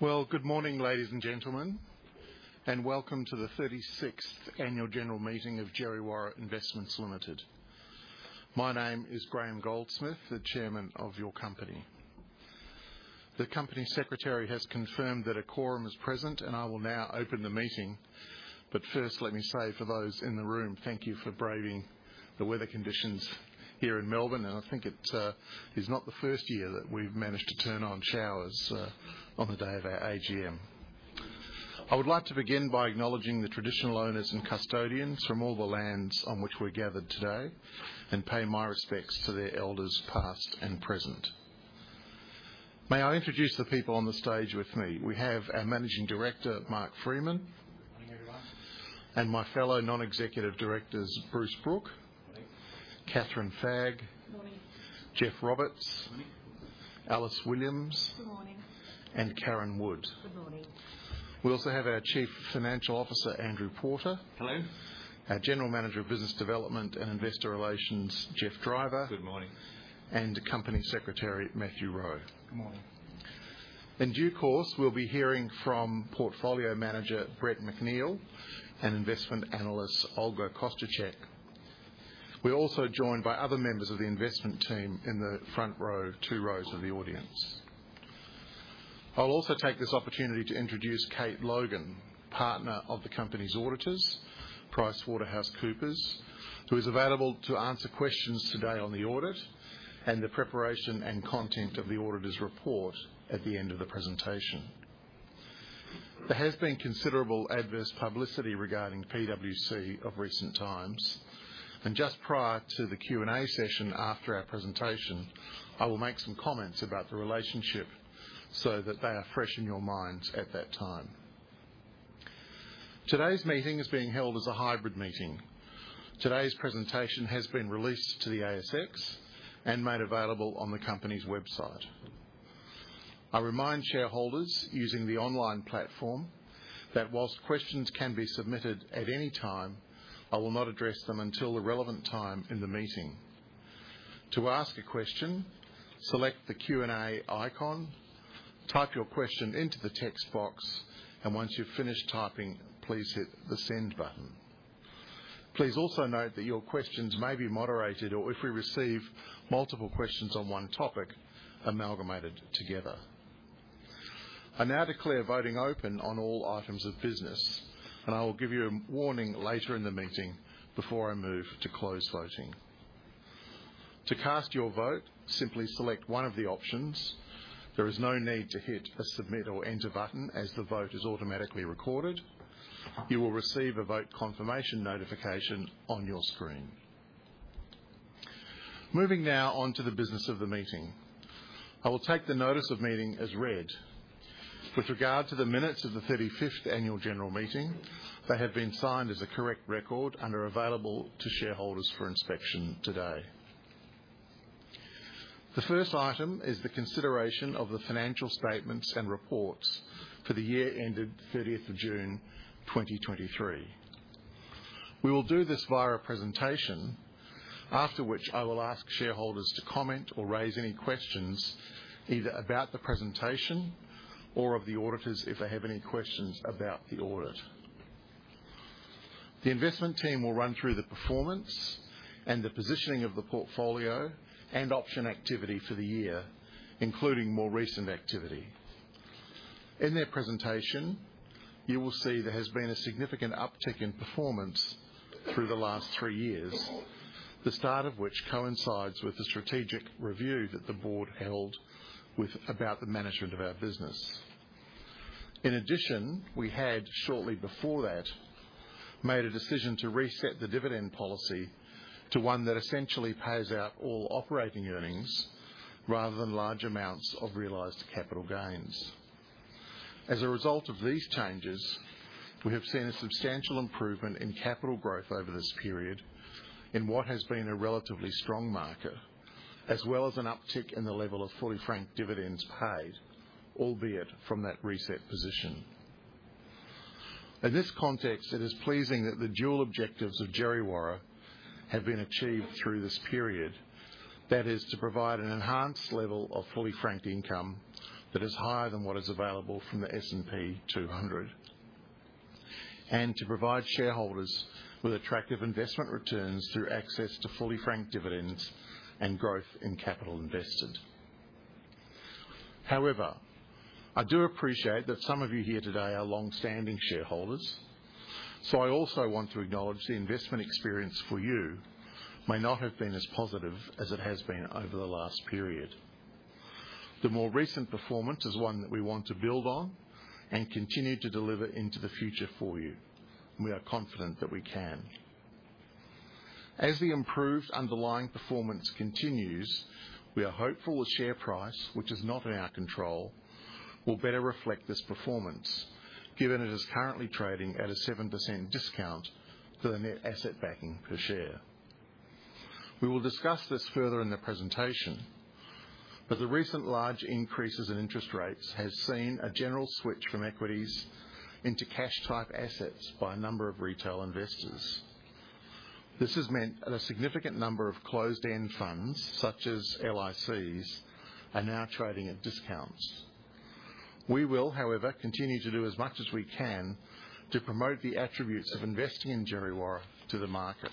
Well, good morning, ladies and gentlemen, and welcome to the 36th annual general meeting of Djerriwarrh Investments Limited. My name is Graham Goldsmith, the Chairman of your company. The company secretary has confirmed that a quorum is present, and I will now open the meeting. But first, let me say, for those in the room, thank you for braving the weather conditions here in Melbourne, and I think it is not the first year that we've managed to turn on showers on the day of our AGM. I would like to begin by acknowledging the traditional owners and custodians from all the lands on which we're gathered today and pay my respects to their elders, past and present. May I introduce the people on the stage with me? We have our Managing Director, Mark Freeman. Good morning, everyone. My fellow non-executive directors, Bruce Brook. Morning. Kathryn Fagg. Morning. Geoff Roberts. Morning. Alice Williams. Good morning. Karen Wood. Good morning. We also have our Chief Financial Officer, Andrew Porter. Hello. Our General Manager of Business Development and Investor Relations, Geoffrey Driver. Good morning. Company Secretary, Matthew Rowe. Good morning. In due course, we'll be hearing from Portfolio Manager, Brett McNeill, and Investment Analyst, Olga Kosciuczyk. We're also joined by other members of the investment team in the front row, two rows of the audience. I'll also take this opportunity to introduce Kate Logan, partner of the company's auditors, PricewaterhouseCoopers, who is available to answer questions today on the audit and the preparation and content of the auditor's report at the end of the presentation. There has been considerable adverse publicity regarding PwC of recent times, and just prior to the Q&A session after our presentation, I will make some comments about the relationship so that they are fresh in your minds at that time. Today's meeting is being held as a hybrid meeting. Today's presentation has been released to the ASX and made available on the company's website. I remind shareholders using the online platform that while questions can be submitted at any time, I will not address them until the relevant time in the meeting. To ask a question, select the Q&A icon, type your question into the text box, and once you've finished typing, please hit the Send button. Please also note that your questions may be moderated or if we receive multiple questions on one topic, amalgamated together. I now declare voting open on all items of business, and I will give you a warning later in the meeting before I move to closed voting. To cast your vote, simply select one of the options. There is no need to hit a Submit or Enter button, as the vote is automatically recorded. You will receive a vote confirmation notification on your screen. Moving now on to the business of the meeting. I will take the notice of meeting as read. With regard to the minutes of the 35th annual general meeting, they have been signed as a correct record and are available to shareholders for inspection today. The first item is the consideration of the financial statements and reports for the year ended 30th of June, 2023. We will do this via a presentation, after which I will ask shareholders to comment or raise any questions, either about the presentation or of the auditors if they have any questions about the audit. The investment team will run through the performance and the positioning of the portfolio and option activity for the year, including more recent activity. In their presentation, you will see there has been a significant uptick in performance through the last three years, the start of which coincides with the strategic review that the board held with about the management of our business. In addition, we had, shortly before that, made a decision to reset the dividend policy to one that essentially pays out all operating earnings, rather than large amounts of realized capital gains. As a result of these changes, we have seen a substantial improvement in capital growth over this period in what has been a relatively strong market, as well as an uptick in the level of fully franked dividends paid, albeit from that reset position. In this context, it is pleasing that the dual objectives of Djerriwarrh have been achieved through this period. That is, to provide an enhanced level of fully franked income that is higher than what is available from the S&P 200, and to provide shareholders with attractive investment returns through access to fully franked dividends and growth in capital invested. However, I do appreciate that some of you here today are longstanding shareholders, so I also want to acknowledge the investment experience for you may not have been as positive as it has been over the last period. The more recent performance is one that we want to build on and continue to deliver into the future for you. We are confident that we can. As the improved underlying performance continues, we are hopeful the share price, which is not in our control, will better reflect this performance, given it is currently trading at a 7% discount to the net asset backing per share. We will discuss this further in the presentation, but the recent large increases in interest rates has seen a general switch from equities into cash-type assets by a number of retail investors.... This has meant that a significant number of closed-end funds, such as LICs, are now trading at discounts. We will, however, continue to do as much as we can to promote the attributes of investing in Djerriwarrh to the market.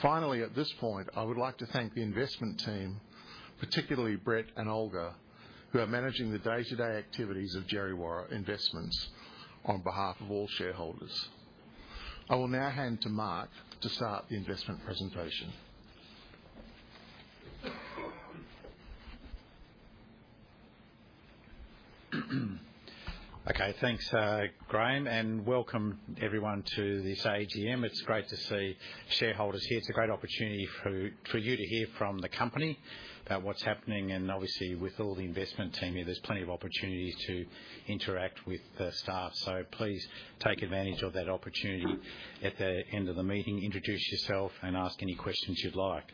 Finally, at this point, I would like to thank the investment team, particularly Brett and Olga, who are managing the day-to-day activities of Djerriwarrh Investments on behalf of all shareholders. I will now hand to Mark to start the investment presentation. Okay, thanks, Graham, and welcome everyone to this AGM. It's great to see shareholders here. It's a great opportunity for you to hear from the company about what's happening, and obviously, with all the investment team here, there's plenty of opportunities to interact with the staff, so please take advantage of that opportunity. At the end of the meeting, introduce yourself and ask any questions you'd like.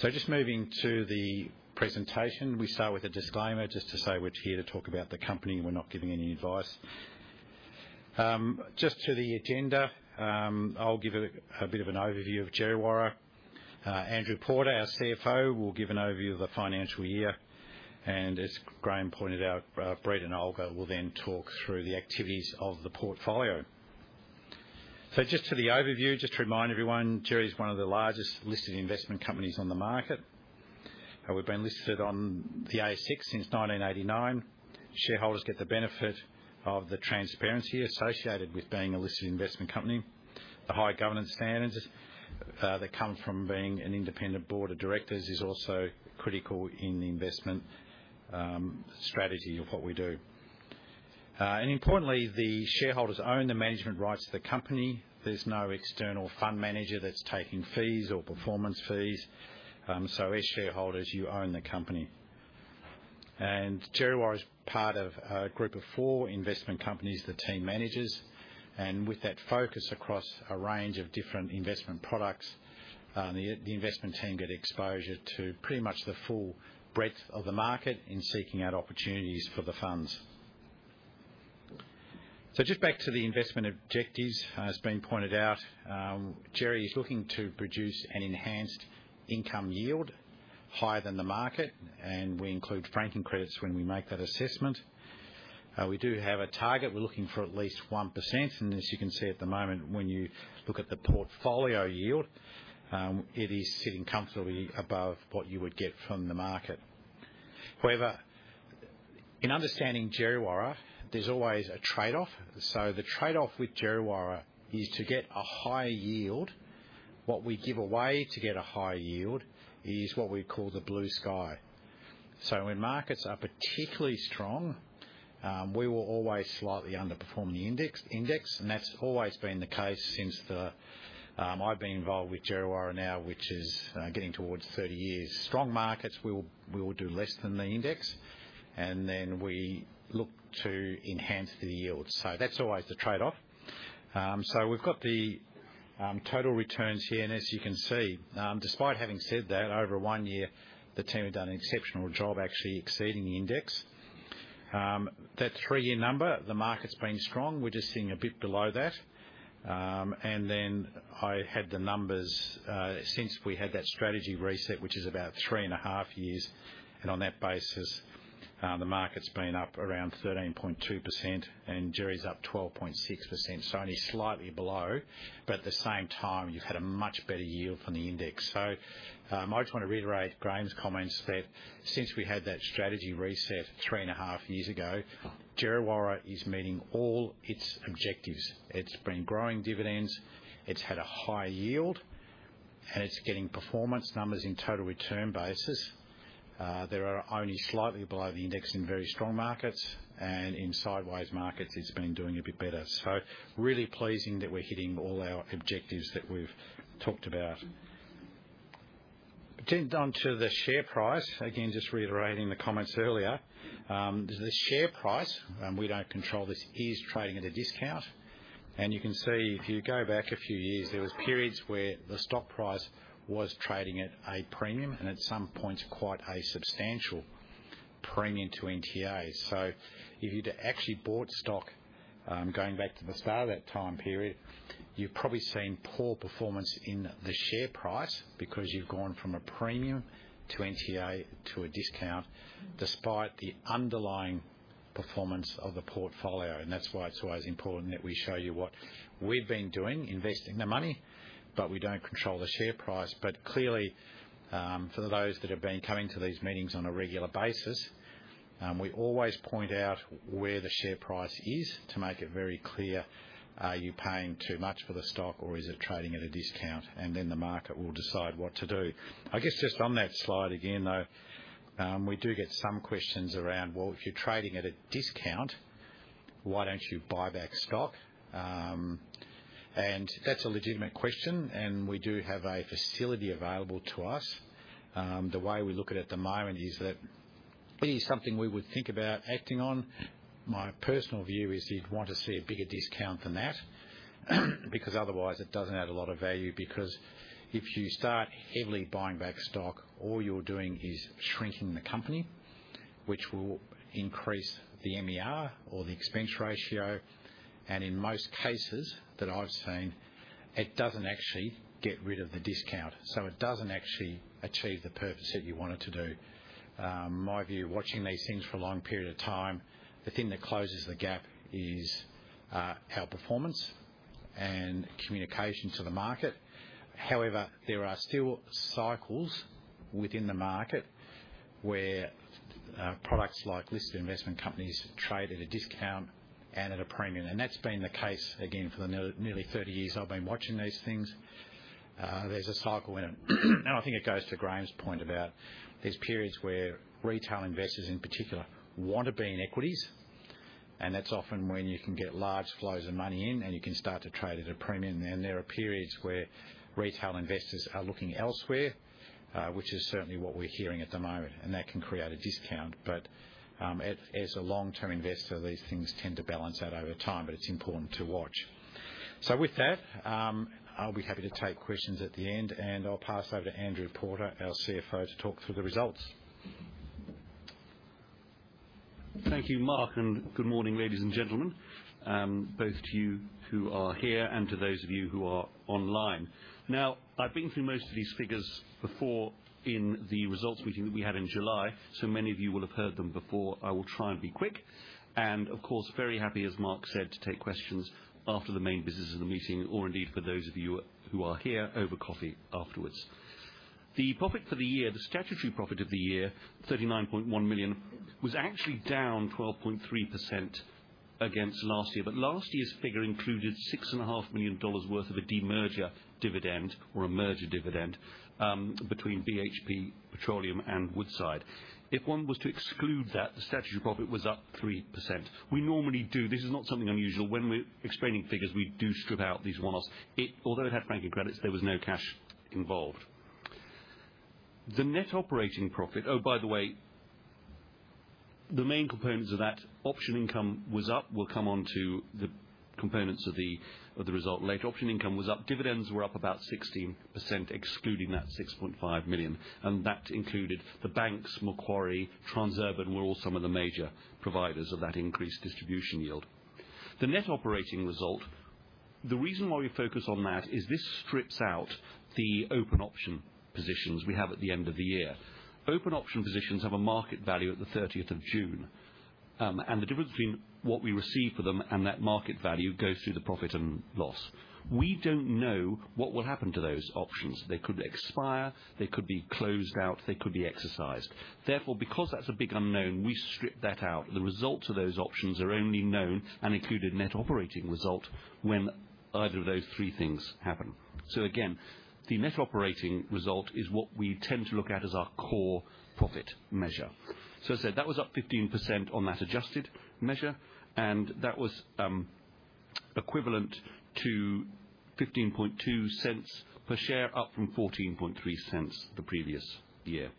Just moving to the presentation, we start with a disclaimer, just to say we're here to talk about the company, and we're not giving any advice. Just to the agenda, I'll give a bit of an overview of Djerriwarrh. Andrew Porter, our CFO, will give an overview of the financial year, and as Graham pointed out, Brett and Olga will then talk through the activities of the portfolio. So just to the overview, just to remind everyone, Djerriwarrh's one of the largest listed investment companies on the market. We've been listed on the ASX since 1989. Shareholders get the benefit of the transparency associated with being a listed investment company. The high governance standards that come from being an independent Board of Directors is also critical in the investment strategy of what we do. And importantly, the shareholders own the management rights to the company. There's no external fund manager that's taking fees or performance fees. So as shareholders, you own the company. And Djerriwarrh is part of a group of four investment companies the team manages, and with that focus across a range of different investment products, the investment team get exposure to pretty much the full breadth of the market in seeking out opportunities for the funds. So just back to the investment objectives. As has been pointed out, Djerriwarrh is looking to produce an enhanced income yield higher than the market, and we include franking credits when we make that assessment. We do have a target. We're looking for at least 1%, and as you can see at the moment, when you look at the portfolio yield, it is sitting comfortably above what you would get from the market. However, in understanding Djerriwarrh, there's always a trade-off. So the trade-off with Djerriwarrh is to get a higher yield. What we give away to get a higher yield is what we call the blue sky. So when markets are particularly strong, we will always slightly underperform the index, and that's always been the case since the... I've been involved with Djerriwarrh now, which is getting towards 30 years. Strong markets, we will do less than the index, and then we look to enhance the yield. So that's always the trade-off. So we've got the total returns here, and as you can see, despite having said that, over one year, the team have done an exceptional job, actually exceeding the index. That three-year number, the market's been strong. We're just sitting a bit below that. And then I had the numbers since we had that strategy reset, which is about three and a half years, and on that basis, the market's been up around 13.2% and Djerriwarrh's up 12.6%, so only slightly below. But at the same time, you've had a much better yield from the index. So, I just want to reiterate Graham's comments that since we had that strategy reset three and a half years ago, Djerriwarrh is meeting all its objectives. It's been growing dividends, it's had a high yield, and it's getting performance numbers in total return basis. They are only slightly below the index in very strong markets, and in sideways markets, it's been doing a bit better. So really pleasing that we're hitting all our objectives that we've talked about. Onto the share price. Again, just reiterating the comments earlier, the share price, we don't control this, is trading at a discount. And you can see if you go back a few years, there was periods where the stock price was trading at a premium and at some points quite a substantial premium to NTAs. So if you'd actually bought stock, going back to the start of that time period, you've probably seen poor performance in the share price, because you've gone from a premium to NTA to a discount, despite the underlying performance of the portfolio. And that's why it's always important that we show you what we've been doing, investing the money, but we don't control the share price. But clearly, for those that have been coming to these meetings on a regular basis, we always point out where the share price is to make it very clear, are you paying too much for the stock, or is it trading at a discount? And then the market will decide what to do. I guess, just on that slide again, though, we do get some questions around, "Well, if you're trading at a discount, why don't you buy back stock?" That's a legitimate question, and we do have a facility available to us. The way we look at it at the moment is that it is something we would think about acting on. My personal view is you'd want to see a bigger discount than that, because otherwise it doesn't add a lot of value. Because if you start heavily buying back stock, all you're doing is shrinking the company... which will increase the MER or the expense ratio, and in most cases that I've seen, it doesn't actually get rid of the discount, so it doesn't actually achieve the purpose that you want it to do. My view, watching these things for a long period of time, the thing that closes the gap is our performance and communication to the market. However, there are still cycles within the market where products like listed investment companies trade at a discount and at a premium, and that's been the case again for the nearly 30 years I've been watching these things. There's a cycle in it. And I think it goes to Graham's point about there's periods where retail investors, in particular, want to be in equities, and that's often when you can get large flows of money in, and you can start to trade at a premium. Then there are periods where retail investors are looking elsewhere, which is certainly what we're hearing at the moment, and that can create a discount. But, as a long-term investor, these things tend to balance out over time, but it's important to watch. So with that, I'll be happy to take questions at the end, and I'll pass over to Andrew Porter, our CFO, to talk through the results. Thank you, Mark, and good morning, ladies and gentlemen, both to you who are here and to those of you who are online. Now, I've been through most of these figures before in the results meeting that we had in July, so many of you will have heard them before. I will try and be quick, and of course, very happy, as Mark said, to take questions after the main business of the meeting, or indeed, for those of you who are here, over coffee afterwards. The profit for the year, the statutory profit of the year, 39.1 million, was actually down 12.3% against last year. But last year's figure included 6.5 million dollars worth of a demerger dividend or a merger dividend, between BHP Petroleum and Woodside. If one was to exclude that, the statutory profit was up 3%. We normally do. This is not something unusual. When we're explaining figures, we do strip out these one-offs. It, although it had franking credits, there was no cash involved. The net operating profit... Oh, by the way, the main components of that option income was up. We'll come on to the components of the, of the result later. Option income was up. Dividends were up about 16%, excluding that 6.5 million, and that included the banks. Macquarie, Transurban were all some of the major providers of that increased distribution yield. The net operating result, the reason why we focus on that, is this strips out the open option positions we have at the end of the year. Open option positions have a market value at the 30th of June. The difference between what we receive for them and that market value goes through the profit and loss. We don't know what will happen to those options. They could expire, they could be closed out, they could be exercised. Therefore, because that's a big unknown, we strip that out. The results of those options are only known and included in net operating result when either of those three things happen. Again, the net operating result is what we tend to look at as our core profit measure. As I said, that was up 15% on that adjusted measure, and that was equivalent to 15.2 cents per share, up from 14.3 cents the previous year.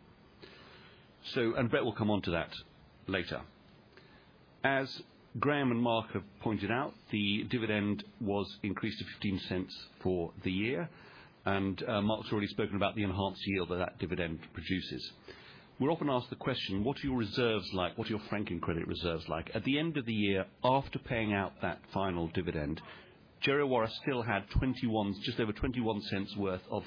Brett will come on to that later. As Graham and Mark have pointed out, the dividend was increased to 0.15 for the year, and Mark's already spoken about the enhanced yield that that dividend produces. We're often asked the question, "What are your reserves like? What are your franking credit reserves like?" At the end of the year, after paying out that final dividend, Djerriwarrh still had 21, just over 0.21 worth of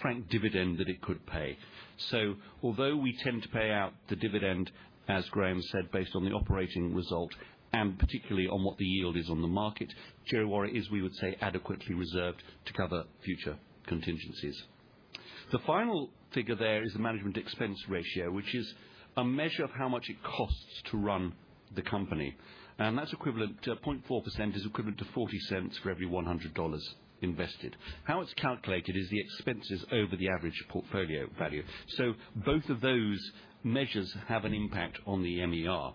franked dividend that it could pay. So although we tend to pay out the dividend, as Graham said, based on the operating result, and particularly on what the yield is on the market, Djerriwarrh is, we would say, adequately reserved to cover future contingencies. The final figure there is the management expense ratio, which is a measure of how much it costs to run the company, and that's equivalent to 0.4% is equivalent to 0.40 for every 100 dollars invested. How it's calculated is the expenses over the average portfolio value. So both of those measures have an impact on the MER.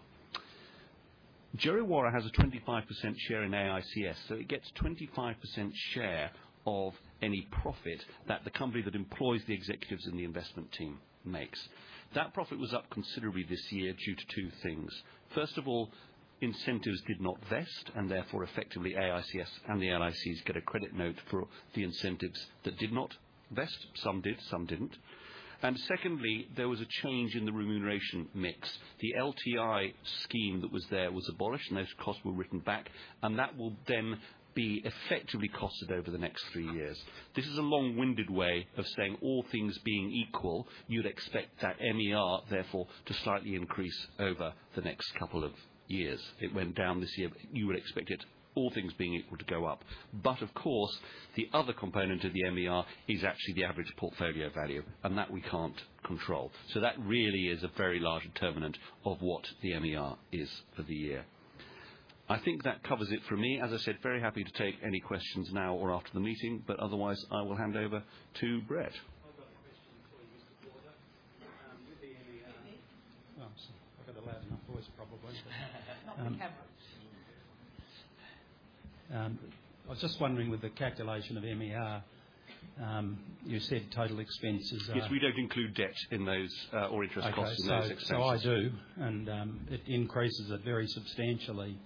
Djerriwarrh has a 25% share in AICS, so it gets 25% share of any profit that the company that employs the executives and the investment team makes. That profit was up considerably this year due to two things. First of all, incentives did not vest, and therefore, effectively, AICS and the LICs get a credit note for the incentives that did not vest. Some did, some didn't. And secondly, there was a change in the remuneration mix. The LTI scheme that was there was abolished, and those costs were written back, and that will then be effectively costed over the next three years. This is a long-winded way of saying, all things being equal, you'd expect that MER, therefore, to slightly increase over the next couple of years. It went down this year. You would expect it, all things being equal, to go up. But of course, the other component of the MER is actually the average portfolio value, and that we can't control. So that really is a very large determinant of what the MER is for the year. I think that covers it for me. As I said, very happy to take any questions now or after the meeting, but otherwise, I will hand over to Brett. I've got a question for you, Mr. Porter. With the MER- Excuse me. Oh, I'm sorry. I've got a loud enough voice, probably. Not the camera. I was just wondering, with the calculation of MER, you said total expenses are- Yes, we don't include debt in those, or interest costs in those expenses. Okay, so I do, and it increases it very substantially. ...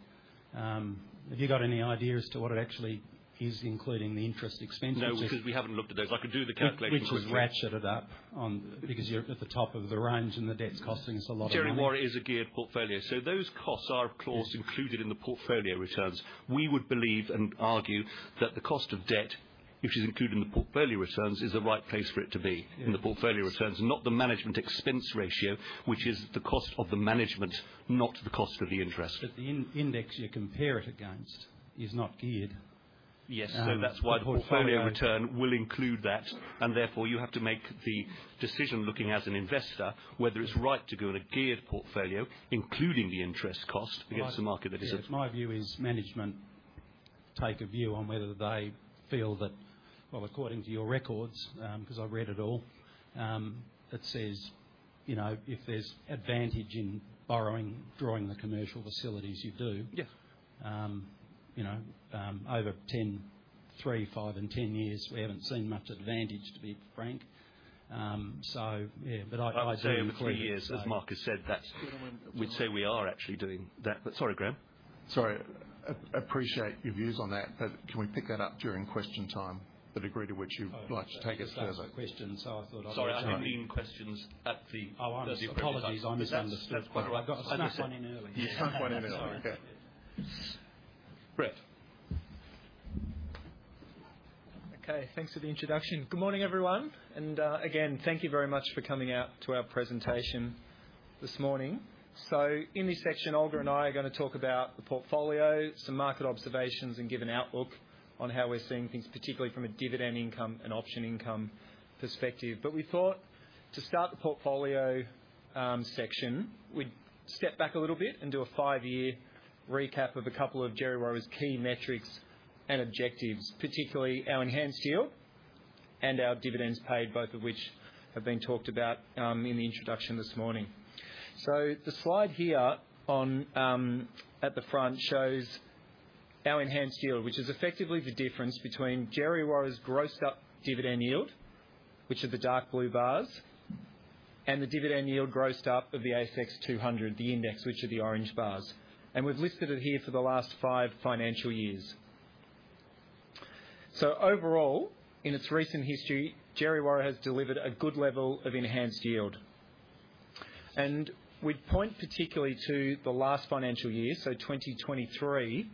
have you got any idea as to what it actually is, including the interest expenses? No, because we haven't looked at those. I could do the calculation quickly. Which is ratcheted up on, because you're at the top of the range, and the debt's costing us a lot of money. Djerriwarrh is a geared portfolio, so those costs are of course included in the portfolio returns. We would believe and argue that the cost of debt, which is included in the portfolio returns, is the right place for it to be- Yeah. in the portfolio returns, not the management expense ratio, which is the cost of the management, not the cost of the interest. The index you compare it against is not geared. Yes. The portfolio- That's why the portfolio return will include that, and therefore you have to make the decision, looking as an investor, whether it's right to go in a geared portfolio, including the interest cost, against the market that is there. My view is management take a view on whether they feel that... Well, according to your records, because I read it all, it says, you know, if there's advantage in borrowing, drawing the commercial facilities, you do. Yeah. You know, over 10, three, five, and 10 years, we haven't seen much advantage, to be frank. So yeah, but I, I- Over the years, as Mark has said, that's- Go on. We'd say we are actually doing that. But sorry, Graham? Sorry. Appreciate your views on that, but can we pick that up during question time, the degree to which you'd like to take us further? Oh, that's a question, so I thought I- Sorry, I didn't mean questions at the- Oh, I'm- Apologies. I misunderstood. That's quite all right. I got to sneak one in early. You snuck one in early. Okay. Sorry. Brett? Okay, thanks for the introduction. Good morning, everyone, and again, thank you very much for coming out to our presentation this morning. So in this section, Olga and I are going to talk about the portfolio, some market observations, and give an outlook on how we're seeing things, particularly from a dividend income and option income perspective. But we thought to start the portfolio section, we'd step back a little bit and do a five-year recap of a couple of Djerriwarrh's key metrics and objectives, particularly our enhanced yield and our dividends paid, both of which have been talked about in the introduction this morning. So the slide here on at the front shows our enhanced yield, which is effectively the difference between Djerriwarrh's grossed up dividend yield, which are the dark blue bars, and the dividend yield grossed up of the ASX 200, the index, which are the orange bars. And we've listed it here for the last five financial years. So overall, in its recent history, Djerriwarrh has delivered a good level of enhanced yield. And we'd point particularly to the last financial year, so 2023,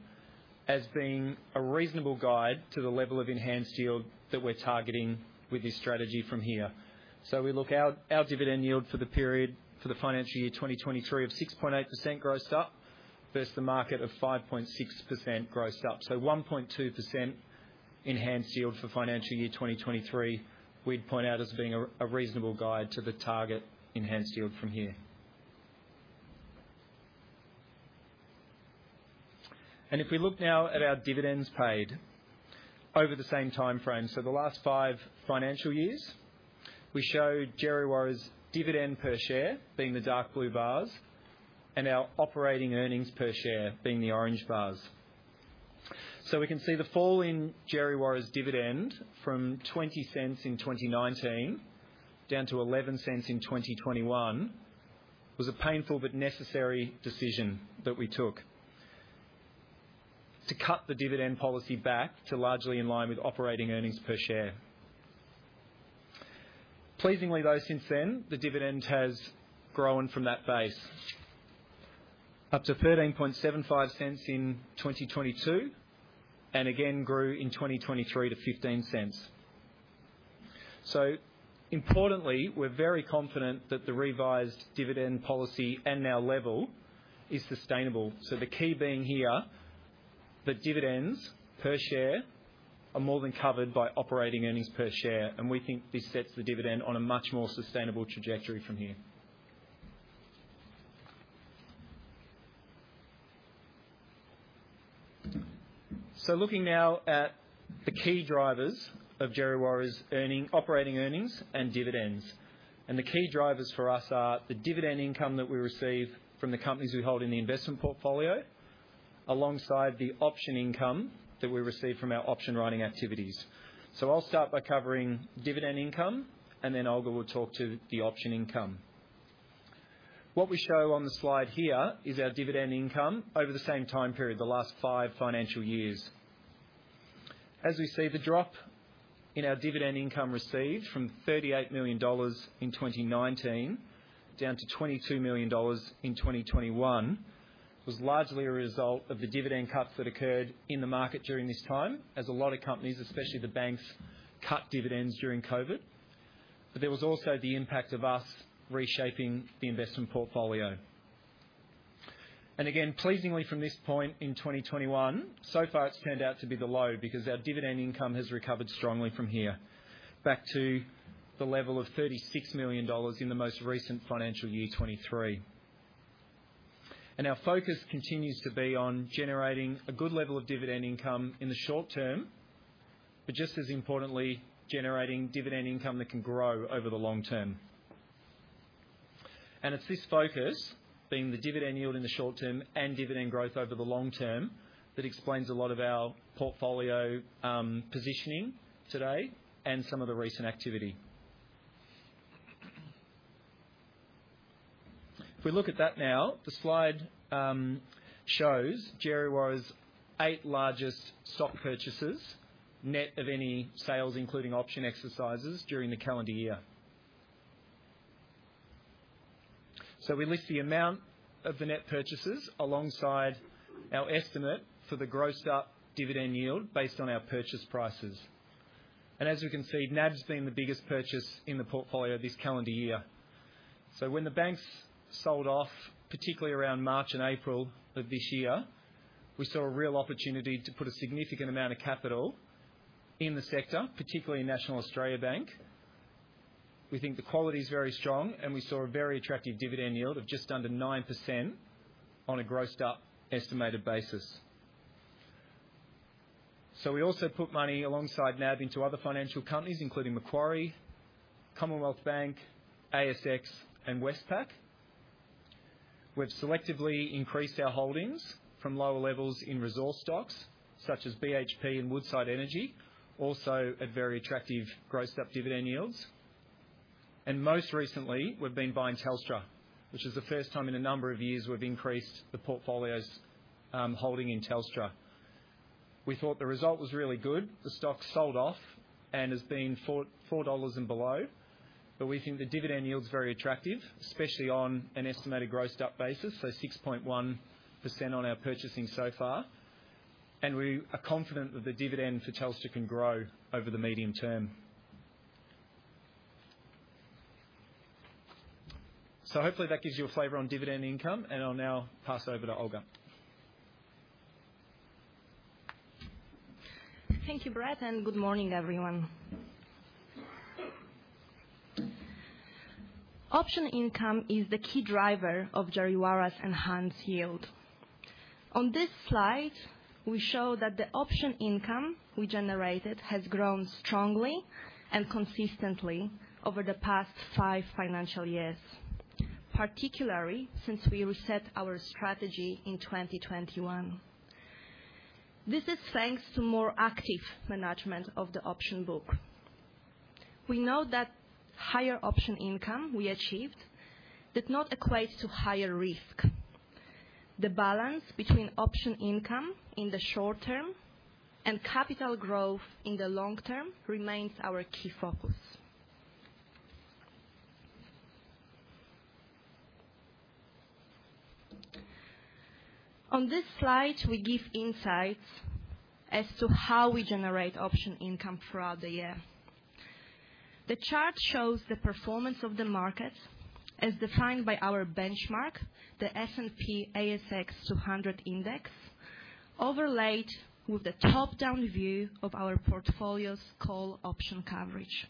as being a reasonable guide to the level of enhanced yield that we're targeting with this strategy from here. So we look our, our dividend yield for the period, for the financial year 2023 of 6.8% gross up, versus the market of 5.6% gross up. One point two percent enhanced yield for financial year 2023, we'd point out as being a reasonable guide to the target enhanced yield from here. If we look now at our dividends paid over the same timeframe, the last five financial years, we show Djerriwarrh's dividend per share being the dark blue bars and our operating earnings per share being the orange bars. We can see the fall in Djerriwarrh's dividend from 20 cents in 2019, down to 11 cents in 2021, was a painful but necessary decision that we took to cut the dividend policy back to largely in line with operating earnings per share. Pleasingly, though, since then, the dividend has grown from that base up to 13.75 cents in 2022, and again grew in 2023 to 15 cents. So importantly, we're very confident that the revised dividend policy and our level is sustainable. So the key being here, the dividends per share are more than covered by operating earnings per share, and we think this sets the dividend on a much more sustainable trajectory from here. So looking now at the key drivers of Djerriwarrh's earnings, operating earnings and dividends. And the key drivers for us are the dividend income that we receive from the companies we hold in the investment portfolio, alongside the option income that we receive from our option writing activities. So I'll start by covering dividend income, and then Olga will talk to the option income. What we show on the slide here is our dividend income over the same time period, the last five financial years. As we see, the drop in our dividend income received from 38 million dollars in 2019, down to 22 million dollars in 2021, was largely a result of the dividend cuts that occurred in the market during this time, as a lot of companies, especially the banks, cut dividends during COVID. There was also the impact of us reshaping the investment portfolio. Pleasingly from this point in 2021, so far, it's turned out to be the low because our dividend income has recovered strongly from here, back to the level of 36 million dollars in the most recent financial year, 2023. Our focus continues to be on generating a good level of dividend income in the short term, but just as importantly, generating dividend income that can grow over the long term. And it's this focus, being the dividend yield in the short term and dividend growth over the long term, that explains a lot of our portfolio positioning today and some of the recent activity. If we look at that now, the slide shows Djerriwarrh's eight largest stock purchases, net of any sales, including option exercises, during the calendar year. So we list the amount of the net purchases alongside our estimate for the grossed up dividend yield based on our purchase prices. And as you can see, NAB's been the biggest purchase in the portfolio this calendar year. So when the banks sold off, particularly around March and April of this year, we saw a real opportunity to put a significant amount of capital in the sector, particularly National Australia Bank. We think the quality is very strong, and we saw a very attractive dividend yield of just under 9% on a grossed up estimated basis. So we also put money alongside NAB into other financial companies, including Macquarie, Commonwealth Bank, ASX, and Westpac. We've selectively increased our holdings from lower levels in resource stocks such as BHP and Woodside Energy, also at very attractive grossed up dividend yields. And most recently, we've been buying Telstra, which is the first time in a number of years we've increased the portfolio's holding in Telstra. We thought the result was really good. The stock sold off and has been 4 dollars and below, but we think the dividend yield is very attractive, especially on an estimated grossed up basis, so 6.1% on our purchasing so far. We are confident that the dividend for Telstra can grow over the medium term. Hopefully that gives you a flavor on dividend income, and I'll now pass over to Olga. Thank you, Brett, and good morning, everyone. Option income is the key driver of Djerriwarrh's enhanced yield. On this slide, we show that the option income we generated has grown strongly and consistently over the past five financial years, particularly since we reset our strategy in 2021. This is thanks to more active management of the option book. We know that higher option income we achieved did not equate to higher risk. The balance between option income in the short term and capital growth in the long term remains our key focus. On this slide, we give insights as to how we generate option income throughout the year. The chart shows the performance of the market as defined by our benchmark, the S&P/ASX 200 Index, overlaid with a top-down view of our portfolio's call option coverage.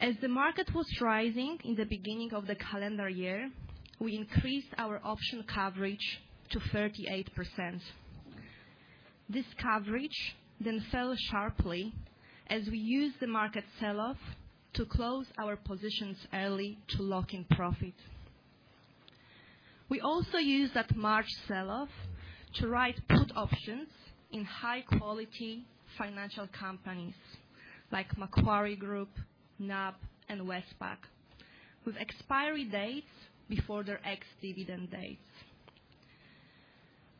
As the market was rising in the beginning of the calendar year, we increased our option coverage to 38%. This coverage then fell sharply as we used the market sell-off to close our positions early to lock in profit. We also used that March sell-off to write put options in high quality financial companies like Macquarie Group, NAB, and Westpac, with expiry dates before their ex-dividend dates.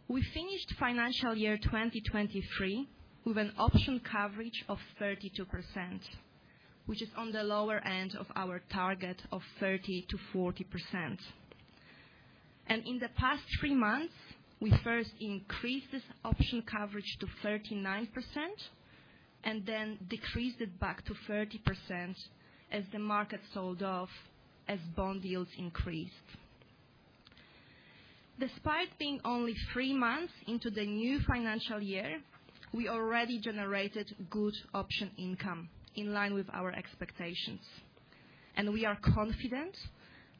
We finished financial year 2023 with an option coverage of 32%, which is on the lower end of our target of 30%-40%. And in the past three months, we first increased this option coverage to 39% and then decreased it back to 30% as the market sold off, as bond yields increased. Despite being only three months into the new financial year, we already generated good option income in line with our expectations, and we are confident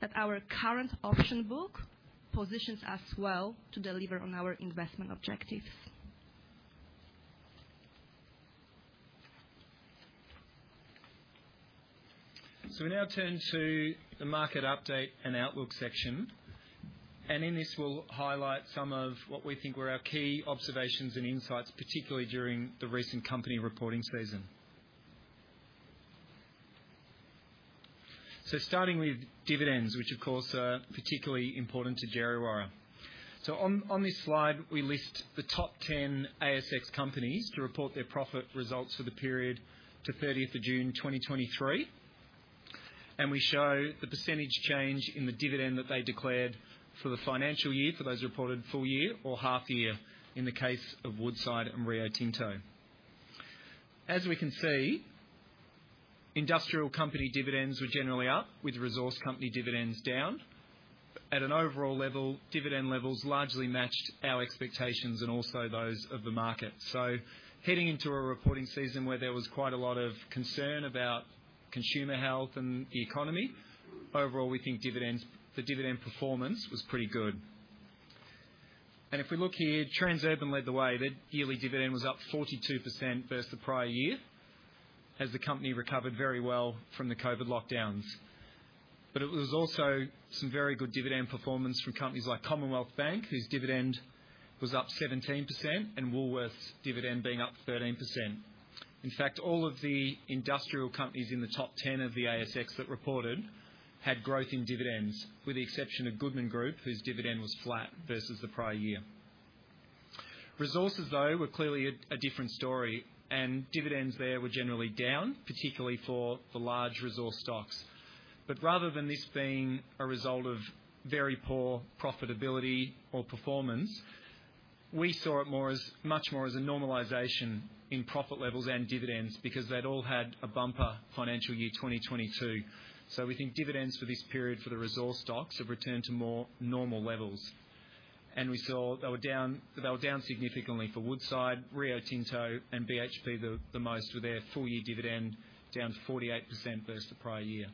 that our current option book positions us well to deliver on our investment objectives. We now turn to the market update and outlook section, and in this, we'll highlight some of what we think were our key observations and insights, particularly during the recent company reporting season. Starting with dividends, which of course are particularly important to Djerriwarrh. On this slide, we list the top 10 ASX companies to report their profit results for the period to 30th of June, 2023, and we show the % change in the dividend that they declared for the financial year, for those who reported full year or half year in the case of Woodside and Rio Tinto. As we can see, industrial company dividends were generally up, with resource company dividends down. At an overall level, dividend levels largely matched our expectations and also those of the market. So heading into a reporting season where there was quite a lot of concern about consumer health and the economy, overall, we think dividends, the dividend performance was pretty good. And if we look here, Transurban led the way. Their yearly dividend was up 42% versus the prior year, as the company recovered very well from the COVID lockdowns. But it was also some very good dividend performance from companies like Commonwealth Bank, whose dividend was up 17%, and Woolworths dividend being up 13%.... In fact, all of the industrial companies in the top 10 of the ASX that reported had growth in dividends, with the exception of Goodman Group, whose dividend was flat versus the prior year. Resources, though, were clearly a different story, and dividends there were generally down, particularly for the large resource stocks. Rather than this being a result of very poor profitability or performance, we saw it much more as a normalization in profit levels and dividends, because they'd all had a bumper financial year 2022. We think dividends for this period for the resource stocks have returned to more normal levels. We saw they were down, they were down significantly for Woodside, Rio Tinto and BHP the most, with their full year dividend down 48% versus the prior year.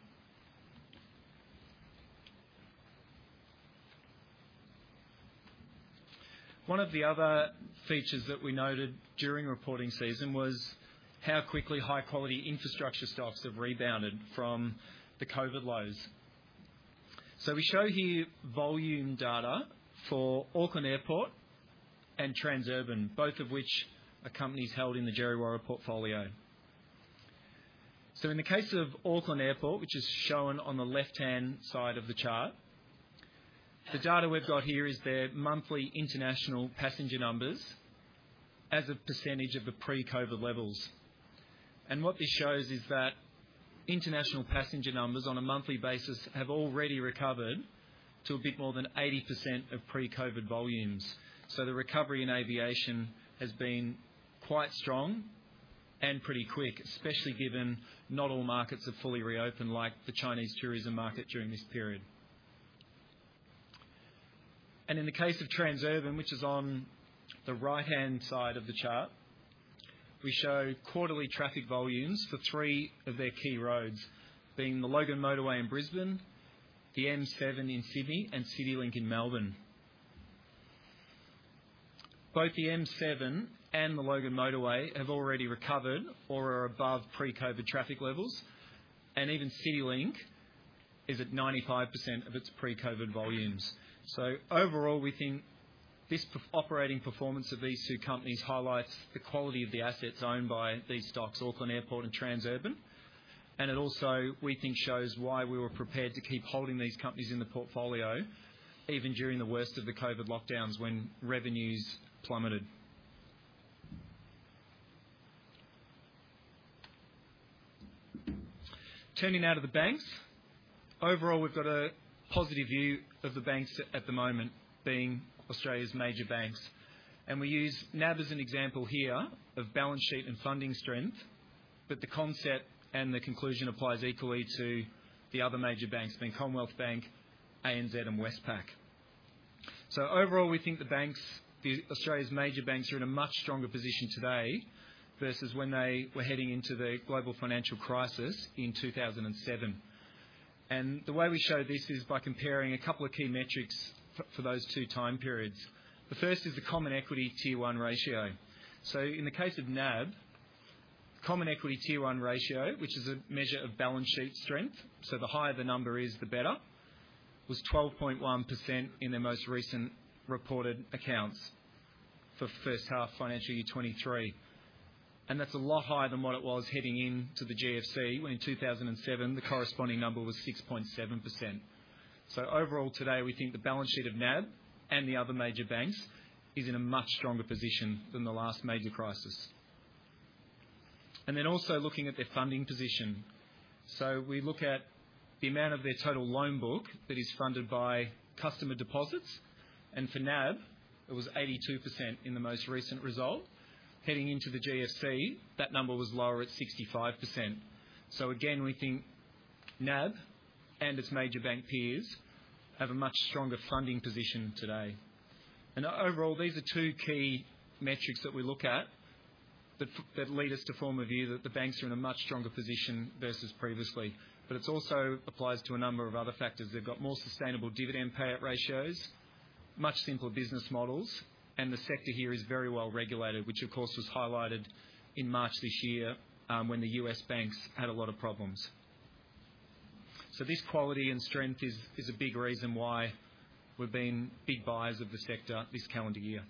One of the other features that we noted during reporting season was how quickly high-quality infrastructure stocks have rebounded from the COVID lows. We show here volume data for Auckland Airport and Transurban, both of which are companies held in the Djerriwarrh portfolio. So in the case of Auckland Airport, which is shown on the left-hand side of the chart, the data we've got here is their monthly international passenger numbers as a percentage of the pre-COVID levels. And what this shows is that international passenger numbers on a monthly basis have already recovered to a bit more than 80% of pre-COVID volumes. So the recovery in aviation has been quite strong and pretty quick, especially given not all markets have fully reopened, like the Chinese tourism market during this period. And in the case of Transurban, which is on the right-hand side of the chart, we show quarterly traffic volumes for three of their key roads, being the Logan Motorway in Brisbane, the M7 in Sydney, and CityLink in Melbourne. Both the M7 and the Logan Motorway have already recovered or are above pre-COVID traffic levels, and even CityLink is at 95% of its pre-COVID volumes. So overall, we think this operating performance of these two companies highlights the quality of the assets owned by these stocks, Auckland Airport and Transurban. It also, we think, shows why we were prepared to keep holding these companies in the portfolio even during the worst of the COVID lockdowns, when revenues plummeted. Turning now to the banks. Overall, we've got a positive view of the banks at the moment, being Australia's major banks. We use NAB as an example here of balance sheet and funding strength. But the concept and the conclusion applies equally to the other major banks, being Commonwealth Bank, ANZ, and Westpac. So overall, we think the banks, the Australia's major banks are in a much stronger position today versus when they were heading into the Global Financial Crisis in 2007. And the way we show this is by comparing a couple of key metrics for those two time periods. The first is the Common Equity Tier 1 ratio. So in the case of NAB, Common Equity Tier 1 ratio, which is a measure of balance sheet strength, so the higher the number is, the better, was 12.1% in their most recent reported accounts for first half financial year 2023. And that's a lot higher than what it was heading into the GFC, when in 2007, the corresponding number was 6.7%. So overall, today, we think the balance sheet of NAB and the other major banks is in a much stronger position than the last major crisis. And then also looking at their funding position. So we look at the amount of their total loan book that is funded by customer deposits, and for NAB, it was 82% in the most recent result. Heading into the GFC, that number was lower at 65%. So again, we think NAB and its major bank peers have a much stronger funding position today. And overall, these are two key metrics that we look at that lead us to form a view that the banks are in a much stronger position versus previously. But it also applies to a number of other factors. They've got more sustainable dividend payout ratios, much simpler business models, and the sector here is very well-regulated, which of course, was highlighted in March this year, when the U.S. banks had a lot of problems. So this quality and strength is a big reason why we've been big buyers of the sector this calendar year.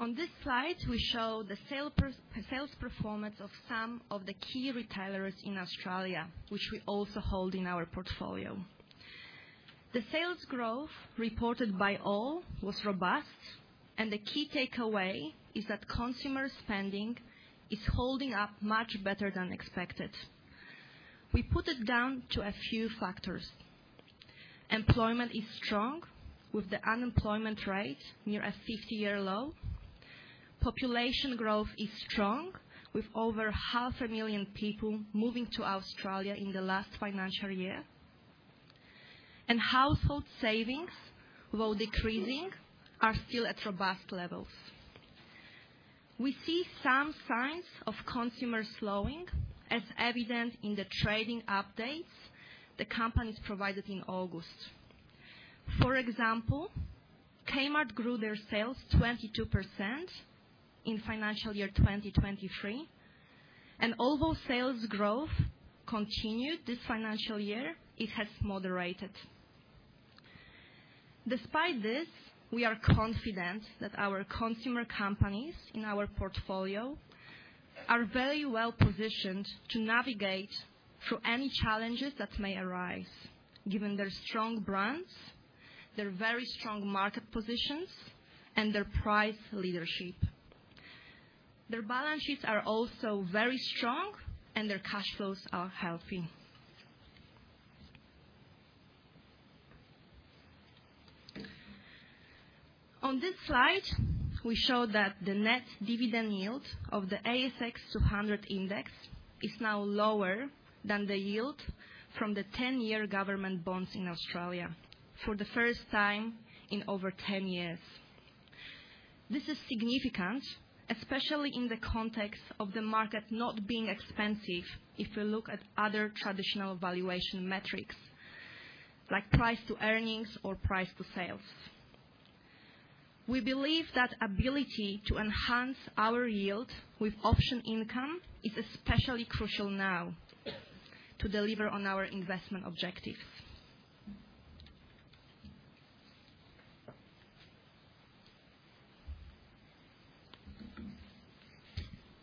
On this slide, we show the sales performance of some of the key retailers in Australia, which we also hold in our portfolio. The sales growth reported by all was robust, and the key takeaway is that consumer spending is holding up much better than expected. We put it down to a few factors. Employment is strong, with the unemployment rate near a 50-year low. Population growth is strong, with over 500,000 people moving to Australia in the last financial year. And household savings, while decreasing, are still at robust levels. We see some signs of consumer slowing, as evident in the trading updates the companies provided in August. For example, Kmart grew their sales 22% in financial year 2023, and although sales growth continued this financial year, it has moderated. Despite this, we are confident that our consumer companies in our portfolio are very well positioned to navigate through any challenges that may arise, given their strong brands, their very strong market positions, and their price leadership. Their balance sheets are also very strong, and their cash flows are healthy. On this slide, we show that the net dividend yield of the ASX 200 index is now lower than the yield from the 10-year government bonds in Australia for the first time in over 10 years. This is significant, especially in the context of the market not being expensive if we look at other traditional valuation metrics, like price to earnings or price to sales. We believe that ability to enhance our yield with option income is especially crucial now to deliver on our investment objectives.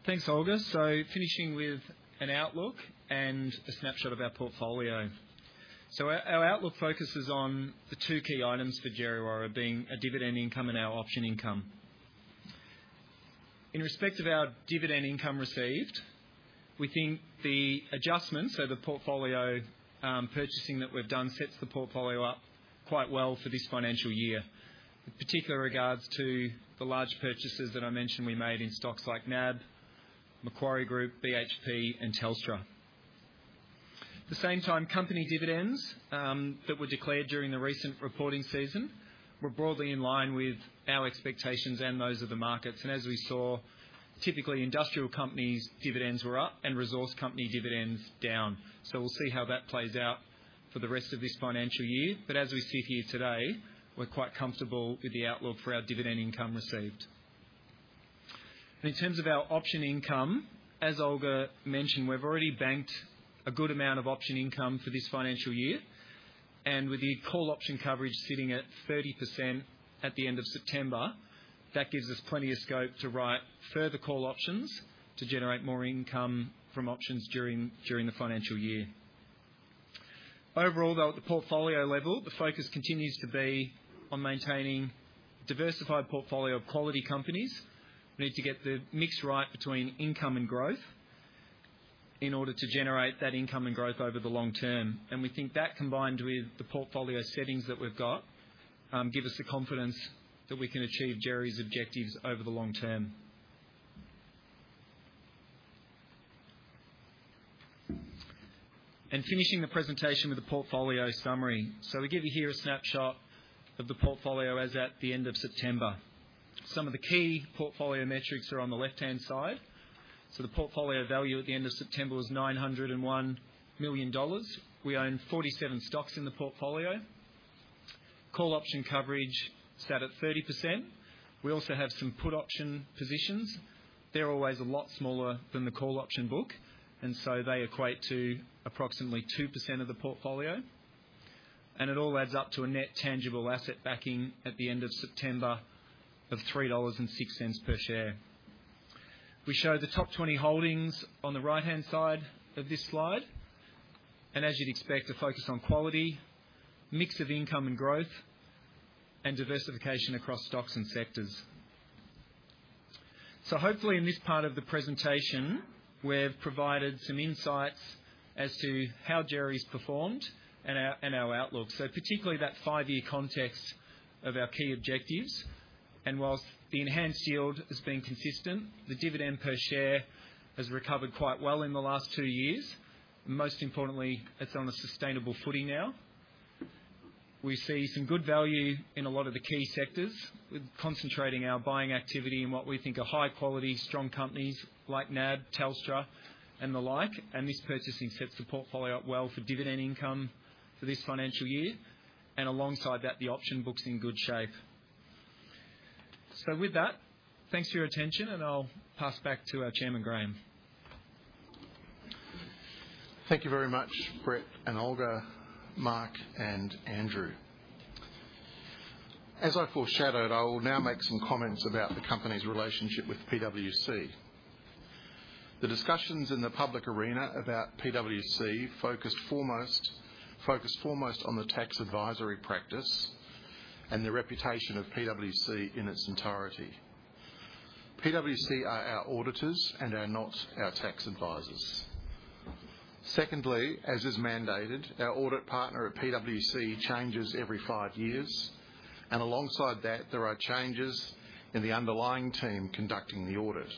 Thanks, Olga. Finishing with an outlook and a snapshot of our portfolio. Our outlook focuses on the two key items for Djerriwarrh being our dividend income and our option income. In respect of our dividend income received, we think the adjustments, the portfolio purchasing that we've done sets the portfolio up quite well for this financial year, with particular regards to the large purchases that I mentioned we made in stocks like NAB, Macquarie Group, BHP, and Telstra. At the same time, company dividends that were declared during the recent reporting season were broadly in line with our expectations and those of the markets. As we saw, typically, industrial companies' dividends were up and resource company dividends down. We'll see how that plays out for the rest of this financial year. But as we sit here today, we're quite comfortable with the outlook for our dividend income received. In terms of our option income, as Olga mentioned, we've already banked a good amount of option income for this financial year, and with the call option coverage sitting at 30% at the end of September, that gives us plenty of scope to write further call options to generate more income from options during the financial year. Overall, though, at the portfolio level, the focus continues to be on maintaining a diversified portfolio of quality companies. We need to get the mix right between income and growth in order to generate that income and growth over the long term. We think that, combined with the portfolio settings that we've got, give us the confidence that we can achieveobjectives over the long term. Finishing the presentation with a portfolio summary. We give you here a snapshot of the portfolio as at the end of September. Some of the key portfolio metrics are on the left-hand side. The portfolio value at the end of September was 901 million dollars. We own 47 stocks in the portfolio. Call option coverage sat at 30%. We also have some put option positions. They're always a lot smaller than the call option book, and so they equate to approximately 2% of the portfolio. It all adds up to a net tangible asset backing at the end of September of 3.06 dollars per share. We show the top 20 holdings on the right-hand side of this slide, and as you'd expect, a focus on quality, mix of income and growth, and diversification across stocks and sectors. So hopefully, in this part of the presentation, we've provided some insights as to how Djerriwarrh's performed and our, and our outlook. So particularly that five-year context of our key objectives. And while the enhanced yield has been consistent, the dividend per share has recovered quite well in the last two years. Most importantly, it's on a sustainable footing now. We see some good value in a lot of the key sectors. We're concentrating our buying activity in what we think are high quality, strong companies like NAB, Telstra, and the like. And this purchasing sets the portfolio up well for dividend income for this financial year. And alongside that, the option book's in good shape. So with that, thanks for your attention, and I'll pass back to our Chairman, Graham. Thank you very much, Brett and Olga, Mark, and Andrew. As I foreshadowed, I will now make some comments about the company's relationship with PwC. The discussions in the public arena about PwC focused foremost on the tax advisory practice and the reputation of PwC in its entirety. PwC are our auditors and are not our tax advisors. Secondly, as is mandated, our audit partner at PwC changes every five years, and alongside that, there are changes in the underlying team conducting the audit.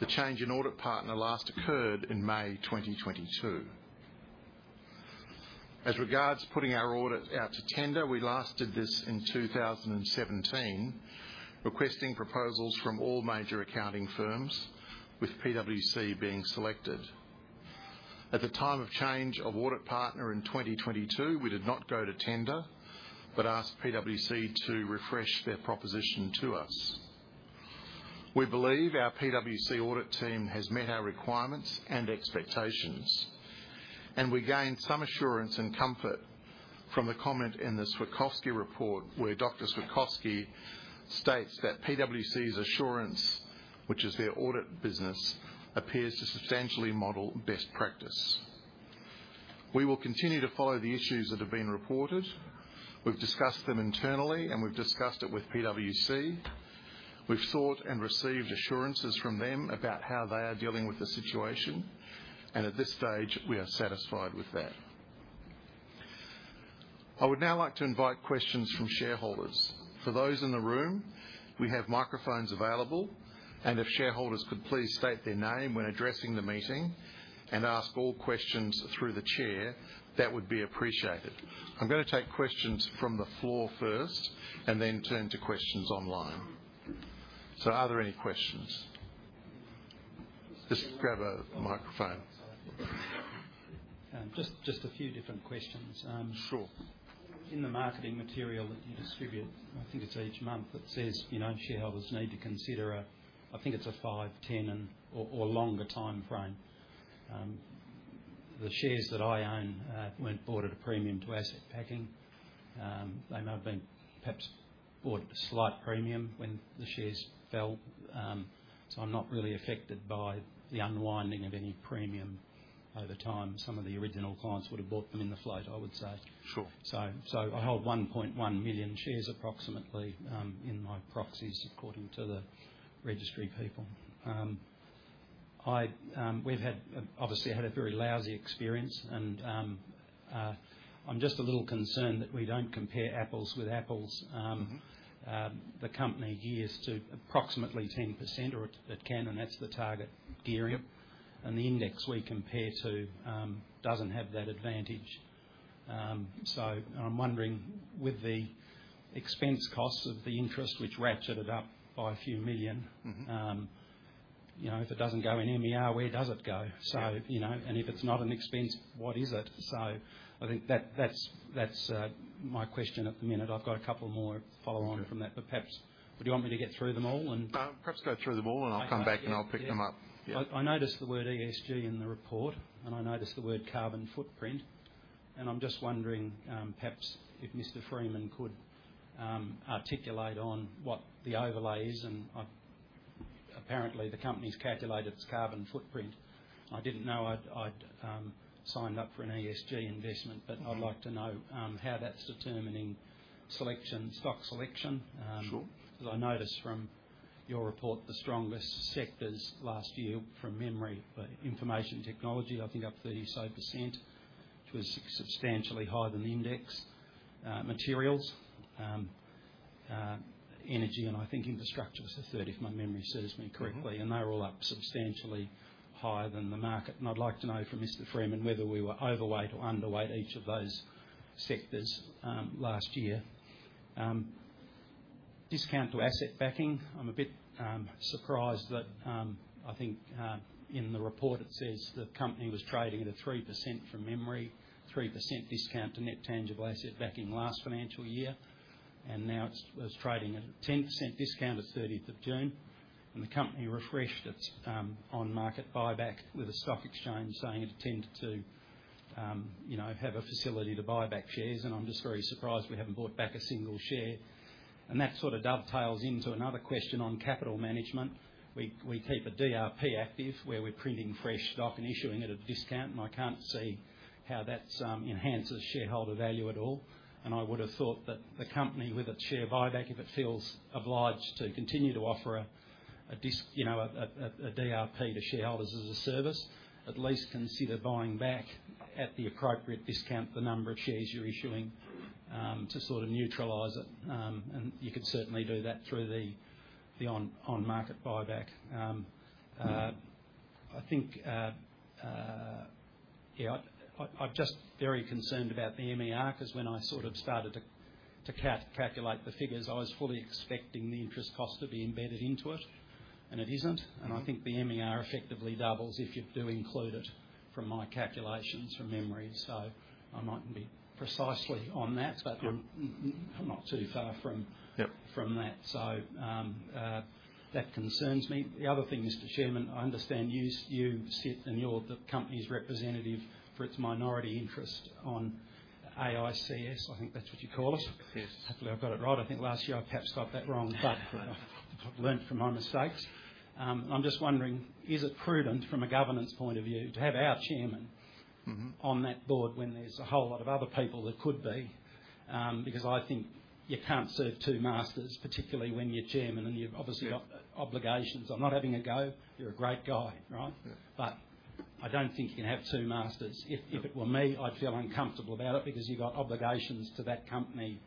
The change in audit partner last occurred in May 2022. As regards putting our audit out to tender, we last did this in 2017, requesting proposals from all major accounting firms, with PwC being selected. At the time of change of audit partner in 2022, we did not go to tender, but asked PwC to refresh their proposition to us. We believe our PwC audit team has met our requirements and expectations, and we gained some assurance and comfort from the comment in the Switkowski Report, where Dr. Switkowski states that PwC's assurance, which is their audit business, appears to substantially model best practice. We will continue to follow the issues that have been reported. We've discussed them internally, and we've discussed it with PwC. We've sought and received assurances from them about how they are dealing with the situation, and at this stage, we are satisfied with that. I would now like to invite questions from shareholders. For those in the room, we have microphones available, and if shareholders could please state their name when addressing the meeting and ask all questions through the chair, that would be appreciated. I'm going to take questions from the floor first, and then turn to questions online. So are there any questions? Just grab a microphone. Just a few different questions. Sure. In the marketing material that you distribute, I think it's each month, that says, you know, shareholders need to consider a five, 10, or longer timeframe. The shares that I own weren't bought at a premium to asset backing. They may have been perhaps bought at a slight premium when the shares fell. So I'm not really affected by the unwinding of any premium over time. Some of the original clients would have bought them in the float, I would say. Sure. So, I hold 1.1 million shares, approximately, in my proxies, according to the registry people. We've obviously had a very lousy experience, and I'm just a little concerned that we don't compare apples with apples. Mm-hmm. The company gears to approximately 10%, or it can, and that's the target gearing. The index we compare to doesn't have that advantage. I'm wondering, with the expense costs of the interest, which ratcheted up by a few million— Mm-hmm... you know, if it doesn't go in MER, where does it go? So, you know, and if it's not an expense, what is it? So I think that, that's my question at the minute. I've got a couple more follow on from that- Sure. But perhaps, would you want me to get through them all, and- Perhaps go through them all, and I'll come back, and I'll pick them up. Yeah. I noticed the word ESG in the report, and I noticed the word carbon footprint, and I'm just wondering, perhaps if Mr Freeman could articulate on what the overlay is, and I... Apparently, the company's calculated its carbon footprint. I didn't know I'd signed up for an ESG investment- Mm-hmm. But I'd like to know how that's determining selection, stock selection. Sure. Because I noticed from your report, the strongest sectors last year, from memory, were information technology, I think up 30% or so, which was substantially higher than the index. Materials, energy, and I think infrastructure was the third, if my memory serves me correctly. Mm-hmm. They're all up substantially higher than the market. I'd like to know from Mr. Freeman whether we were overweight or underweight each of those sectors last year. Discount to asset backing, I'm a bit surprised that, I think, in the report it says the company was trading at a 3% discount to net tangible asset backing last financial year, and now it's trading at a 10% discount at 30 of June, and the company refreshed its on-market buyback with a stock exchange, saying it intended to, you know, have a facility to buy back shares. I'm just very surprised we haven't bought back a single share. That sort of dovetails into another question on capital management. We keep a DRP active, where we're printing fresh stock and issuing it at a discount, and I can't see how that enhances shareholder value at all. And I would have thought that the company, with its share buyback, if it feels obliged to continue to offer a, you know, a DRP to shareholders as a service, at least consider buying back, at the appropriate discount, the number of shares you're issuing, to sort of neutralize it. And you could certainly do that through the on-market buyback. I think, yeah, I'm just very concerned about the MER, 'cause when I sort of started to calculate the figures, I was fully expecting the interest cost to be embedded into it, and it isn't. Mm-hmm. I think the MER effectively doubles if you do include it, from my calculations, from memory. I mightn't be precisely on that- Sure... but I'm not too far from- Yep -from that. So, that concerns me. The other thing, Mr. Chairman, I understand you sit, and you're the company's representative for its minority interest on AICS. I think that's what you call it? Yes. Hopefully, I've got it right. I think last year I perhaps got that wrong, but I've learned from my mistakes. I'm just wondering, is it prudent, from a governance point of view, to have our chairman- Mm-hmm -on that board when there's a whole lot of other people that could be? Because I think you can't serve two masters, particularly when you're chairman, and you've obviously- Yep got obligations. I'm not having a go. You're a great guy, right? Yeah. But I don't think you can have two masters. Yep. If it were me, I'd feel uncomfortable about it, because you've got obligations to that company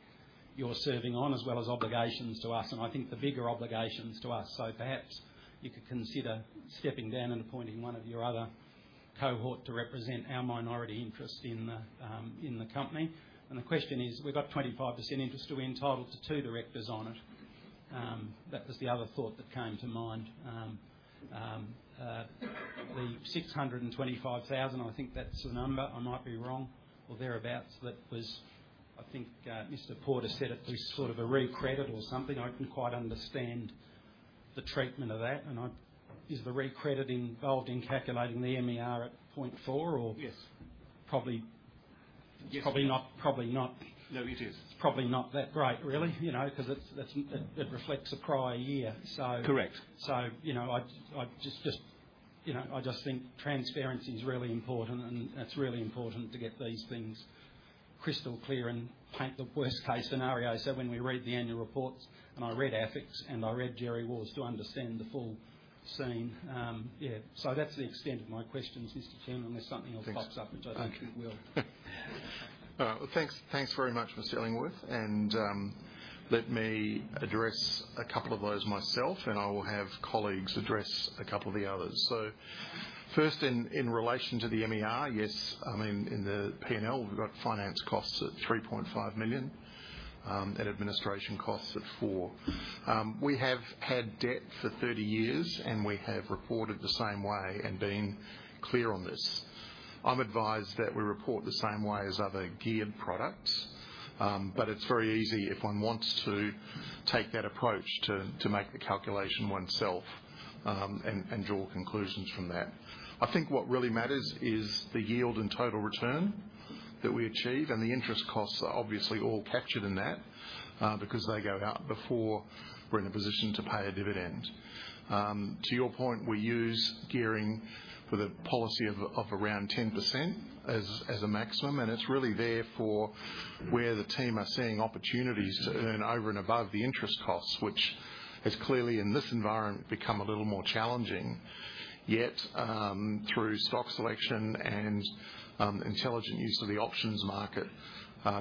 you're serving on, as well as obligations to us, and I think the bigger obligation is to us. So perhaps you could consider stepping down and appointing one of your other cohort to represent our minority interest in the, in the company. And the question is, we've got 25% interest, are we entitled to two directors on it? That was the other thought that came to mind. The 625,000, I think that's the number, I might be wrong, or thereabouts, that was, I think, Mr. Porter said it was sort of a recredit or something. I didn't quite understand the treatment of that. And is the recredit involved in calculating the MER at 0.4%, or? Yes. Probably- Yes. Probably not. Probably not. No, it is. It's probably not that great, really, you know, because it reflects a prior year, so- Correct. So, you know, I'd just... You know, I just think transparency is really important, and it's really important to get these things crystal clear and paint the worst case scenario. So when we read the annual reports, and I read AFIC's, and I read Djerriwarrh's to understand the full scene, yeah. So that's the extent of my questions, Mr. Chairman, unless something else pops up, which I think it will. Well, thanks, thanks very much, Mr. Ellingworth. And let me address a couple of those myself, and I will have colleagues address a couple of the others. So first, in relation to the MER, yes, I mean, in the P&L, we've got finance costs at 3.5 million, and administration costs at 4 million. We have had debt for 30 years, and we have reported the same way and been clear on this. I'm advised that we report the same way as other geared products. But it's very easy if one wants to take that approach to make the calculation oneself, and draw conclusions from that. I think what really matters is the yield and total return that we achieve, and the interest costs are obviously all captured in that, because they go out before we're in a position to pay a dividend. To your point, we use gearing with a policy of around 10% as a maximum, and it's really there for where the team are seeing opportunities to earn over and above the interest costs, which has clearly, in this environment, become a little more challenging. Yet, through stock selection and intelligent use of the options market,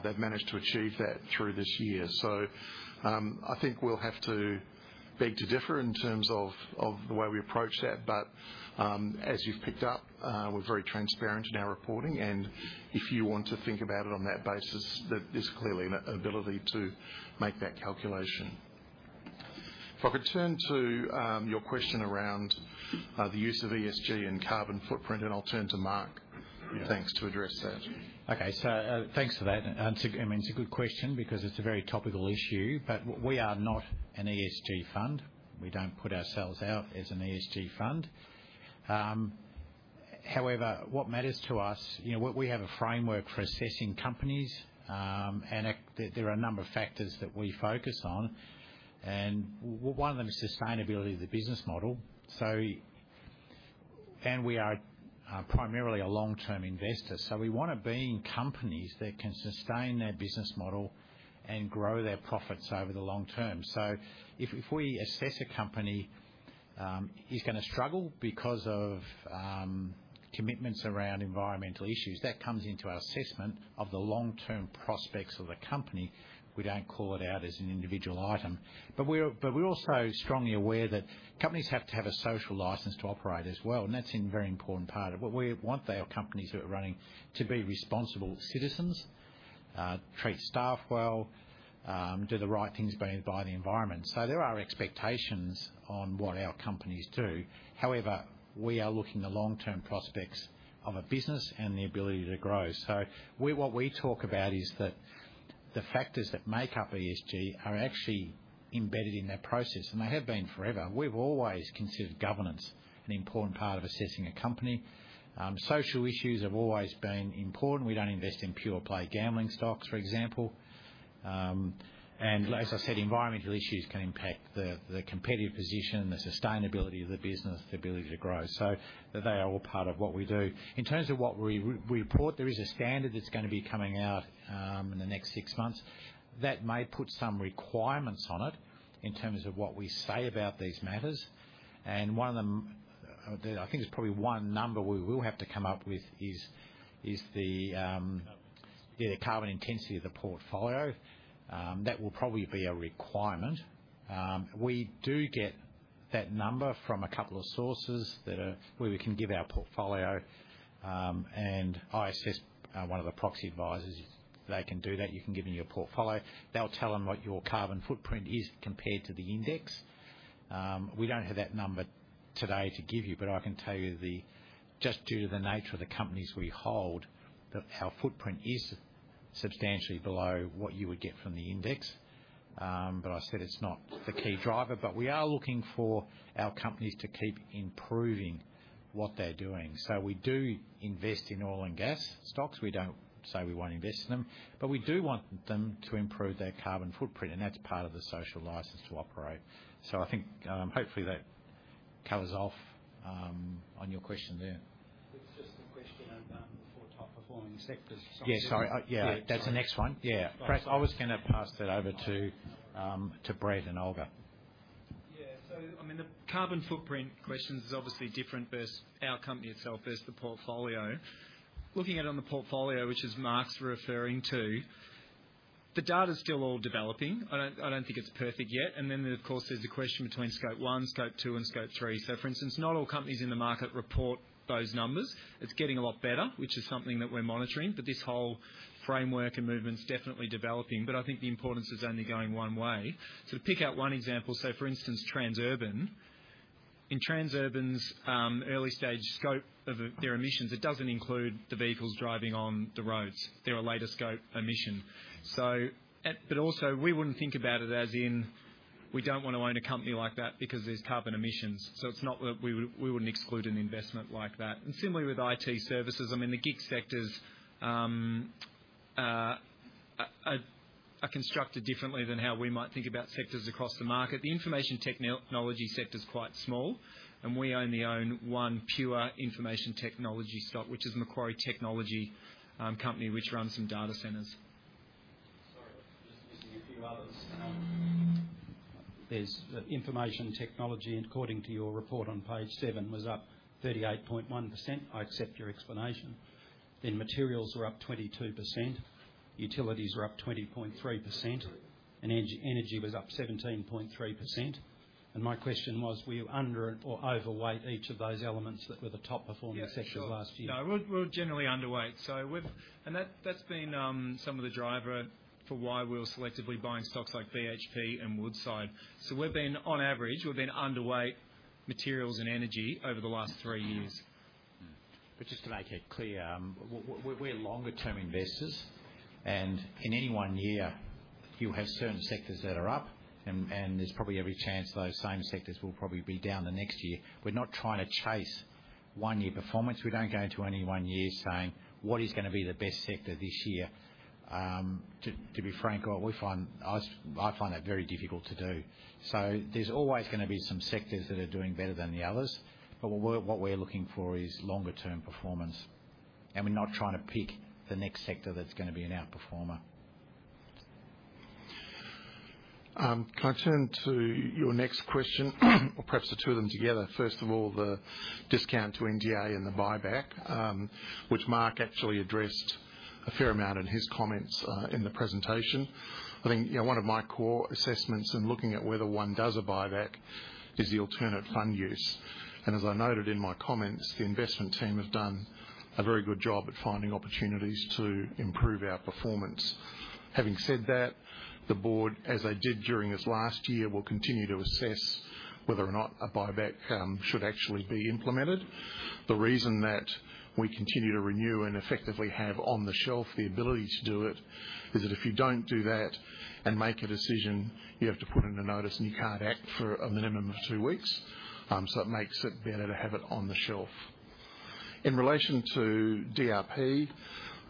they've managed to achieve that through this year. So, I think we'll have to beg to differ in terms of the way we approach that. As you've picked up, we're very transparent in our reporting, and if you want to think about it on that basis, there is clearly an ability to make that calculation. If I could turn to your question around the use of ESG and carbon footprint, and I'll turn to Mark- Yeah. Thanks, to address that. Okay, thanks for that. It's a, I mean, it's a good question because it's a very topical issue. We are not an ESG fund. We don't put ourselves out as an ESG fund. However, what matters to us, you know, we have a framework for assessing companies, and there are a number of factors that we focus on, and one of them is sustainability of the business model. We are primarily a long-term investor, so we want to be in companies that can sustain their business model and grow their profits over the long term. If we assess a company is gonna struggle because of commitments around environmental issues, that comes into our assessment of the long-term prospects of the company. We don't call it out as an individual item. But we're, but we're also strongly aware that companies have to have a social license to operate as well, and that's a very important part of what we want our companies that are running to be responsible citizens, treat staff well, do the right things by the environment. So there are expectations on what our companies do. However, we are looking at the long-term prospects of a business and the ability to grow. So what we talk about is that the factors that make up ESG are actually embedded in that process, and they have been forever. We've always considered governance an important part of assessing a company. Social issues have always been important. We don't invest in pure play gambling stocks, for example. As I said, environmental issues can impact the competitive position, the sustainability of the business, the ability to grow. They are all part of what we do. In terms of what we report, there is a standard that's going to be coming out in the next six months that may put some requirements on it in terms of what we say about these matters. One of them, I think there's probably one number we will have to come up with, is the carbon intensity of the portfolio. That will probably be a requirement. We do get that number from a couple of sources that are where we can give our portfolio, and ISS, one of the proxy advisors, they can do that. You can give them your portfolio. They'll tell them what your carbon footprint is compared to the index. We don't have that number today to give you, but I can tell you, just due to the nature of the companies we hold, that our footprint is substantially below what you would get from the index. But I said it's not the key driver, but we are looking for our companies to keep improving what they're doing. So we do invest in oil and gas stocks. We don't say we won't invest in them, but we do want them to improve their carbon footprint, and that's part of the social license to operate. So I think, hopefully, that covers off on your question there. It's just a question of four top performing sectors. Yeah, sorry. Yeah. Yeah. That's the next one. Yeah. Chris, I was gonna pass that over to, to Brett and Olga. Yeah. So, I mean, the carbon footprint question is obviously different versus our company itself versus the portfolio. Looking at it on the portfolio, which is Mark's referring to, the data's still all developing. I don't think it's perfect yet. And then, of course, there's the question between scope one, scope two, and scope three. So for instance, not all companies in the market report those numbers. It's getting a lot better, which is something that we're monitoring, but this whole framework and movement's definitely developing. But I think the importance is only going one way. So to pick out one example, so for instance, Transurban's early stage scope of their emissions, it doesn't include the vehicles driving on the roads. They're a later scope emission. We wouldn't think about it as in, we don't want to own a company like that because there's carbon emissions. It's not that we wouldn't exclude an investment like that. Similarly, with IT services, I mean, the gig sectors are constructed differently than how we might think about sectors across the market. The information technology sector is quite small, and we only own one pure information technology stock, which is Macquarie Technology, company, which runs some data centers. Sorry, just giving a few others. There's the information technology, according to your report on page seven, was up 38.1%. I accept your explanation. Then materials were up 22%, utilities were up 20.3%, and energy was up 17.3%. And my question was, were you under or overweight each of those elements that were the top performing sectors last year? Yeah, sure. No, we're, we're generally underweight, so we've... And that, that's been some of the driver for why we were selectively buying stocks like BHP and Woodside. So we've been, on average, we've been underweight materials and energy over the last three years. Just to make it clear, we're longer term investors, and in any one year, you'll have certain sectors that are up, and there's probably every chance those same sectors will probably be down the next year. We're not trying to chase one year performance. We don't go into any one year saying, "What is gonna be the best sector this year?" To be frank, I find that very difficult to do. There's always gonna be some sectors that are doing better than the others, but what we're looking for is longer term performance, and we're not trying to pick the next sector that's gonna be an outperformer. Can I turn to your next question, or perhaps the two of them together? First of all, the discount to NTA and the buyback, which Mark actually addressed a fair amount in his comments, in the presentation. I think, you know, one of my core assessments in looking at whether one does a buyback is the alternate fund use. And as I noted in my comments, the investment team have done a very good job at finding opportunities to improve our performance. Having said that, the board, as they did during this last year, will continue to assess whether or not a buyback should actually be implemented. The reason that we continue to renew and effectively have on the shelf the ability to do it is that if you don't do that and make a decision, you have to put in a notice, and you can't act for a minimum of two weeks. It makes it better to have it on the shelf. In relation to DRP,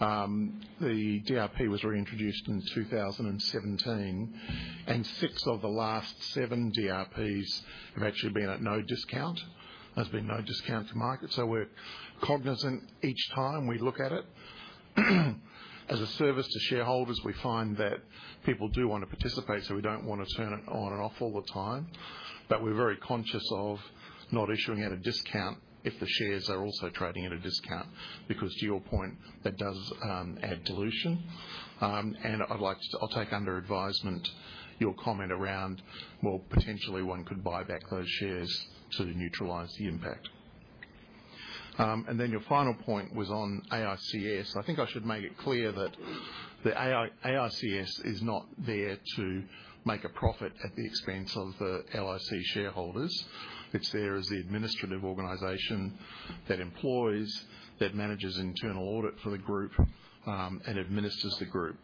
the DRP was reintroduced in 2017, and six of the last seven DRPs have actually been at no discount. There's been no discount to market. We're cognizant each time we look at it. As a service to shareholders, we find that people do want to participate, so we don't want to turn it on and off all the time. We're very conscious of not issuing at a discount if the shares are also trading at a discount, because to your point, that does add dilution. I'd like to take under advisement your comment around, well, potentially one could buy back those shares to neutralize the impact. Your final point was on AICS. I think I should make it clear that AICS is not there to make a profit at the expense of the LIC shareholders. It's there as the administrative organization that employs, that manages internal audit for the group, and administers the group.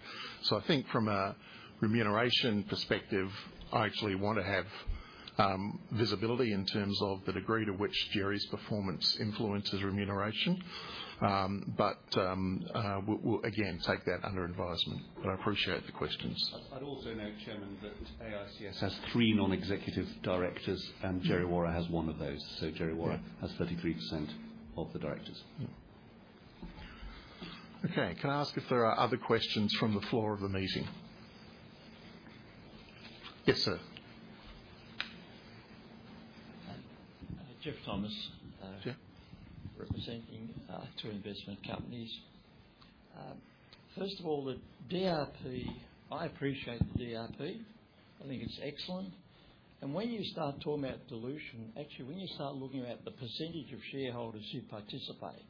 I think from a remuneration perspective, I actually want to have visibility in terms of the degree to which Djerri's performance influences remuneration. We'll again take that under advisement, but I appreciate the questions. I'd also note, Chairman, that AICS has three non-executive directors, and Djerriwarrh has one of those. So Djerriwarrh- Yeah. -has 33% of the directors. Okay. Can I ask if there are other questions from the floor of the meeting? Yes, sir. Geoff Thomas. Yeah. Representing two investment companies. First of all, the DRP, I appreciate the DRP. I think it's excellent. And when you start talking about dilution, actually, when you start looking at the percentage of shareholders who participate,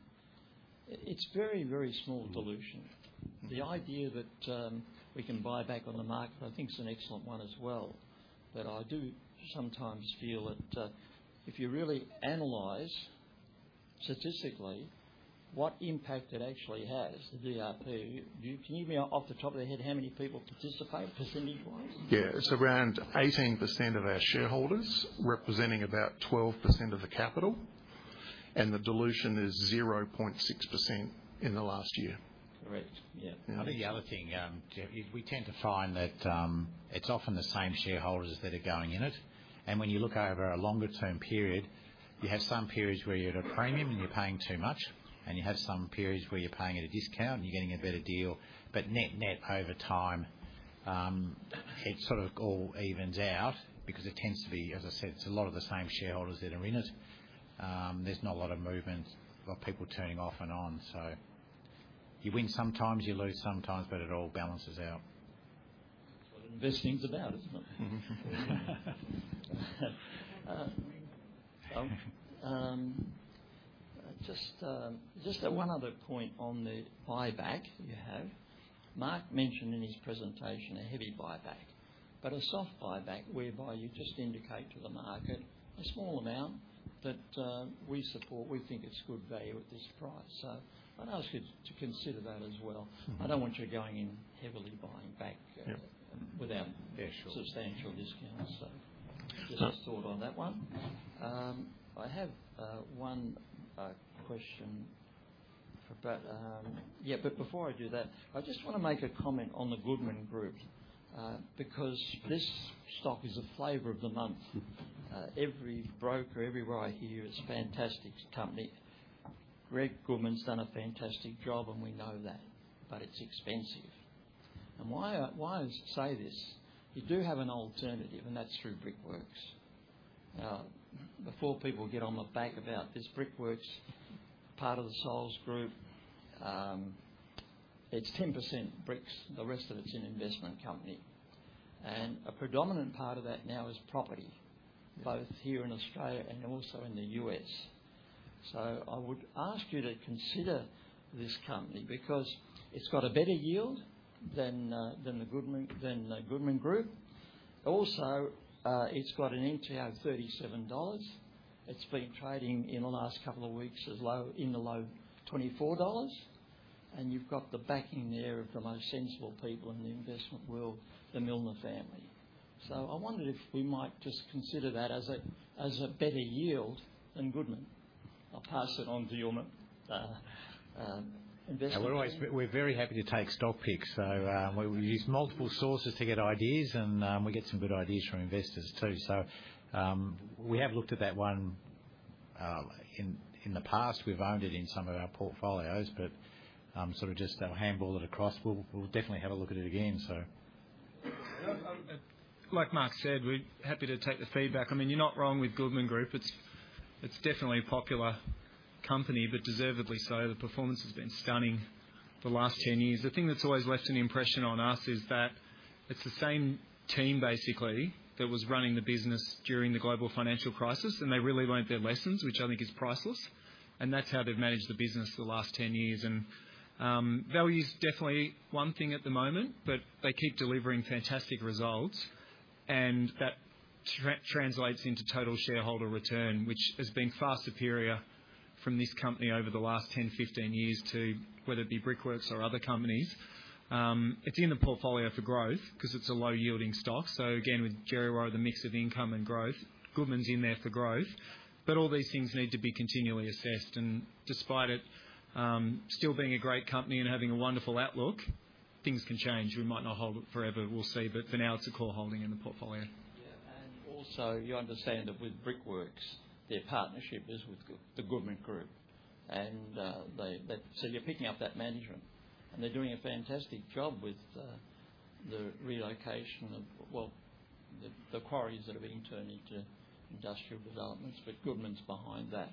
it's very, very small dilution. The idea that we can buy back on the market, I think, is an excellent one as well. But I do sometimes feel that if you really analyze statistically what impact it actually has, the DRP, you... Can you give me off the top of your head, how many people participate percentage-wise? Yeah. It's around 18% of our shareholders, representing about 12% of the capital, and the dilution is 0.6% in the last year. Great. Yeah. I think the other thing, Geoff, is we tend to find that, it's often the same shareholders that are going in it. And when you look over a longer term period, you have some periods where you're at a premium, and you're paying too much, and you have some periods where you're paying at a discount, and you're getting a better deal. But net, net, over time, it sort of all evens out because it tends to be, as I said, it's a lot of the same shareholders that are in it. There's not a lot of movement of people turning off and on. So you win sometimes, you lose sometimes, but it all balances out. That's what investing's about, isn't it? Just, just one other point on the buyback you have. Mark mentioned in his presentation a heavy buyback, but a soft buyback, whereby you just indicate to the market a small amount that we support. We think it's good value at this price. So I'd ask you to consider that as well. Mm-hmm. I don't want you going in heavily buying back. Yeah. -without- Yeah, sure. -substantial discounts. So, just a thought on that one. I have one question about... Yeah, but before I do that, I just want to make a comment on the Goodman Group. Mm-hmm. Because this stock is a flavor of the month. Every broker everywhere I hear, it's a fantastic company. Greg Goodman's done a fantastic job, and we know that, but it's expensive. And why, why I say this, you do have an alternative, and that's through Brickworks. Now, before people get on my back about this, Brickworks, part of the Soul's Group, it's 10% bricks, the rest of it's an investment company. And a predominant part of that now is property, both here in Australia and also in the U.S. So I would ask you to consider this company, because it's got a better yield than, than the Goodman, than the Goodman Group. Also, it's got an NTA of 37 dollars. It's been trading in the last couple of weeks as low as 24 dollars, and you've got the backing there of the most sensible people in the investment world, the Milner family. So I wondered if we might just consider that as a better yield than Goodman. I'll pass it on to your investor. We're very happy to take stock picks, so we use multiple sources to get ideas, and we get some good ideas from investors, too. So, we have looked at that one in the past. We've owned it in some of our portfolios, but sort of just, I'll handball it across. We'll definitely have a look at it again, so. Like Mark said, we're happy to take the feedback. I mean, you're not wrong with Goodman Group. It's, it's definitely a popular company, but deservedly so. The performance has been stunning the last 10 years. The thing that's always left an impression on us is that it's the same team, basically, that was running the business during the Global Financial Crisis, and they really learned their lessons, which I think is priceless. And that's how they've managed the business for the last 10 years. And value is definitely one thing at the moment, but they keep delivering fantastic results, and that translates into total shareholder return, which has been far superior from this company over the last 10, 15 years to whether it be Brickworks or other companies. It's in the portfolio for growth, because it's a low-yielding stock. So again, with Djerriwarrh, the mix of income and growth, Goodman's in there for growth. But all these things need to be continually assessed, and despite it still being a great company and having a wonderful outlook, things can change. We might not hold it forever. We'll see, but for now, it's a core holding in the portfolio. Yeah, and also, you understand that with Brickworks, their partnership is with the Goodman Group, and they. So you're picking up that management, and they're doing a fantastic job with the relocation of, well, the quarries that are being turned into industrial developments, but Goodman's behind that.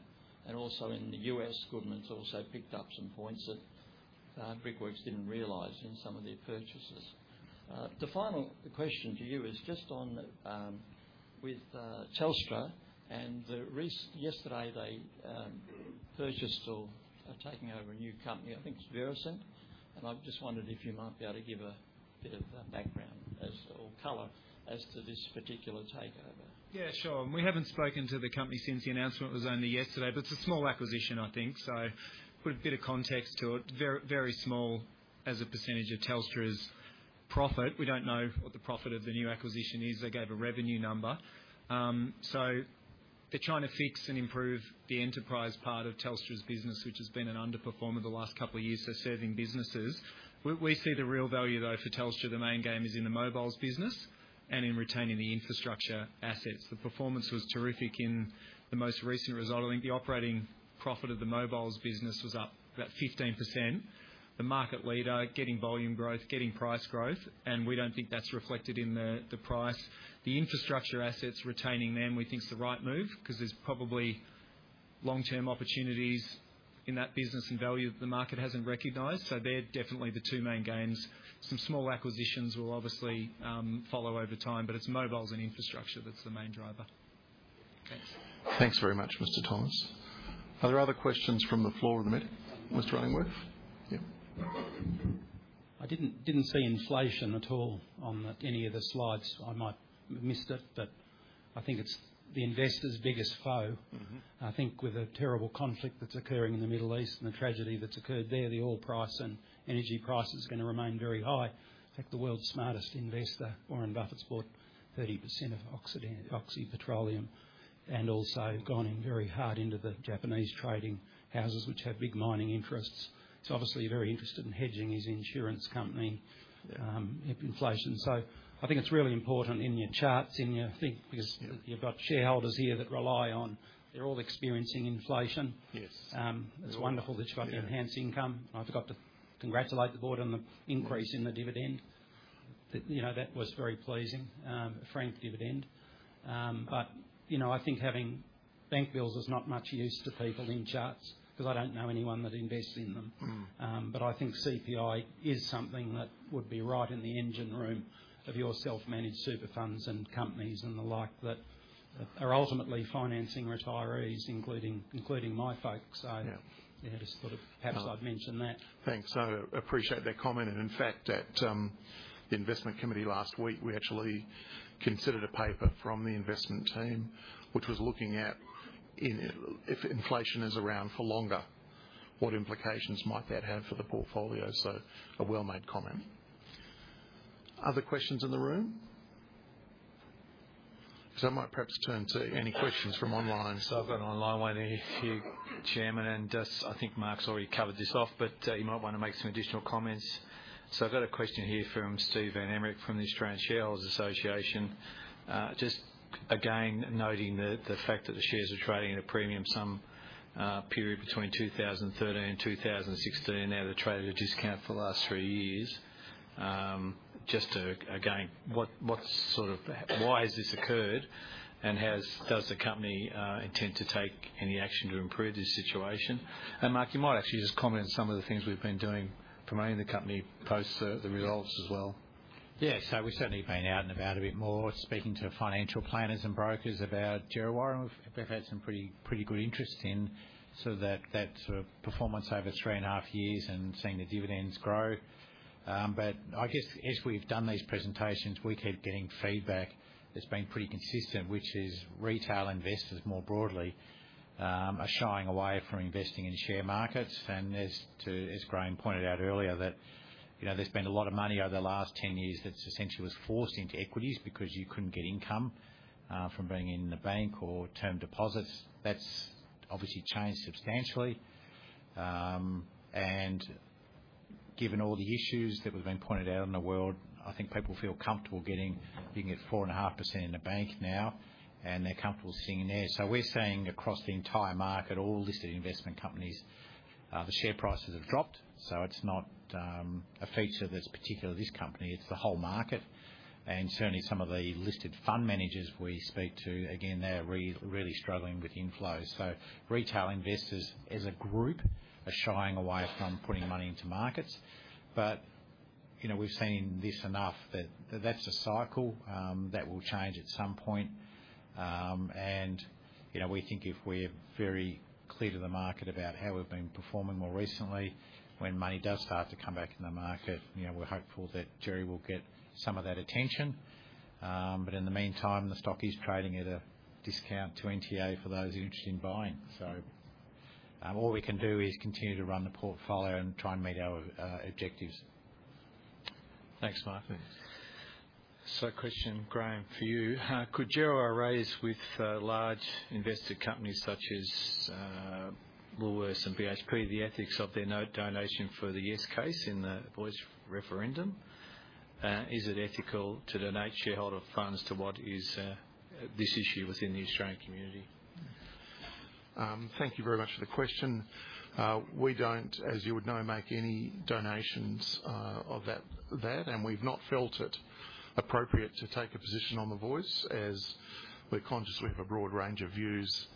And also, in the U.S., Goodman's also picked up some points that Brickworks didn't realize in some of their purchases. The final question to you is just on with Telstra, and yesterday, they purchased or are taking over a new company, I think it's Versent? And I just wondered if you might be able to give a bit of background as, or color as to this particular takeover. Yeah, sure. We haven't spoken to the company since the announcement. It was only yesterday, but it's a small acquisition, I think, so put a bit of context to it. Very, very small as a percentage of Telstra's profit. We don't know what the profit of the new acquisition is. They gave a revenue number. So they're trying to fix and improve the enterprise part of Telstra's business, which has been an underperformer the last couple of years, so serving businesses. We see the real value, though, for Telstra, the main game is in the mobiles business and in retaining the infrastructure assets. The performance was terrific in the most recent result. I think the operating profit of the mobiles business was up about 15%. The market leader, getting volume growth, getting price growth, and we don't think that's reflected in the price. The infrastructure assets, retaining them, we think is the right move, because there's probably long-term opportunities in that business and value that the market hasn't recognized. So they're definitely the two main gains. Some small acquisitions will obviously follow over time, but it's mobiles and infrastructure that's the main driver. Thanks. Thanks very much, Mr. Thomas. Are there other questions from the floor at the minute, Mr. Ellingworth? Yeah. I didn't see inflation at all on any of the slides. I might have missed it, but I think it's the investors' biggest foe. Mm-hmm. I think with the terrible conflict that's occurring in the Middle East and the tragedy that's occurred there, the oil price and energy price is gonna remain very high. In fact, the world's smartest investor, Warren Buffett, bought 30% of Oxy Petroleum, and also gone in very hard into the Japanese trading houses, which have big mining interests. He's obviously very interested in hedging his insurance company, inflation. So I think it's really important in your charts, in your think, because- Yeah. You've got shareholders here that rely on... They're all experiencing inflation. Yes. It's wonderful that you've got- Yeah. -the enhanced income. I forgot to congratulate the board on the increase in the dividend. But, you know, that was very pleasing, franked dividend. But, you know, I think having bank bills is not much use to people in charts, because I don't know anyone that invests in them. Mm-hmm. But I think CPI is something that would be right in the engine room of your self-managed super funds and companies and the like that are ultimately financing retirees, including my folks. So- Yeah. Yeah, just thought of perhaps I'd mention that. Thanks. I appreciate that comment. And in fact, at the investment committee last week, we actually considered a paper from the investment team, which was looking at if inflation is around for longer, what implications might that have for the portfolio? So a well-made comment. Other questions in the room? So I might perhaps turn to any questions from online. I've got an online one here, Chairman, and I think Mark's already covered this off, but he might want to make some additional comments. I've got a question here from Steve van Emmerik, from the Australian Shareholders Association. Just again, noting the fact that the shares are trading at a premium some period between 2013 and 2016. Now, they've traded at a discount for the last three years. Just to, again, what, what's sort of—why has this occurred? And has—does the company intend to take any action to improve this situation? Mark, you might actually just comment on some of the things we've been doing promoting the company post the results as well. Yeah. So we've certainly been out and about a bit more, speaking to financial planners and brokers about Djerriwarrh. We've had some pretty good interest in, so that sort of performance over three and a half years and seeing the dividends grow. But I guess as we've done these presentations, we keep getting feedback that's been pretty consistent, which is retail investors, more broadly, are shying away from investing in share markets. And as to... As Graham pointed out earlier, that, you know, there's been a lot of money over the last 10 years that essentially was forced into equities because you couldn't get income from being in the bank or term deposits. That's obviously changed substantially. And given all the issues that have been pointed out in the world, I think people feel comfortable getting, you can get 4.5% in the bank now, and they're comfortable sitting in there. So we're seeing across the entire market, all listed investment companies, the share prices have dropped, so it's not a feature that's particular to this company, it's the whole market. And certainly, some of the listed fund managers we speak to, again, they're really struggling with inflows. So retail investors, as a group, are shying away from putting money into markets. But, you know, we've seen this enough that that's a cycle that will change at some point. And, you know, we think if we're very clear to the market about how we've been performing more recently, when money does start to come back in the market, you know, we're hopeful that Djerriwarrh will get some of that attention. But in the meantime, the stock is trading at a discount to NTA for those interested in buying. So, all we can do is continue to run the portfolio and try and meet our objectives. Thanks, Mark. So question, Graham, for you: could Djerriwarrh raise with large invested companies such as Woolworths and BHP, the ethics of their note donation for the Yes case in the Voice referendum? Is it ethical to donate shareholder funds to what is this issue within the Australian community? Thank you very much for the question. We don't, as you would know, make any donations of that, and we've not felt it appropriate to take a position on the Voice, as we're conscious we have a broad range of views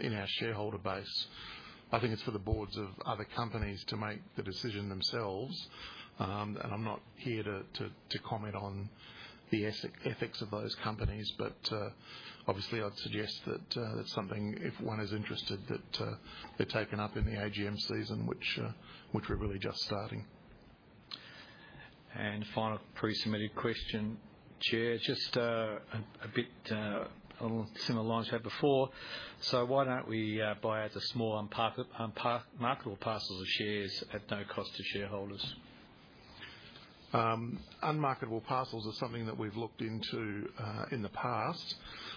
in our shareholder base. I think it's for the boards of other companies to make the decision themselves. And I'm not here to comment on the ethics of those companies, but obviously, I'd suggest that that's something, if one is interested, that be taken up in the AGM season, which we're really just starting. Final pre-submitted question, Chair. Just, a bit along similar lines we had before. So why don't we buy out the small unmarketable parcels of shares at no cost to shareholders? Unmarketable parcels are something that we've looked into in the past.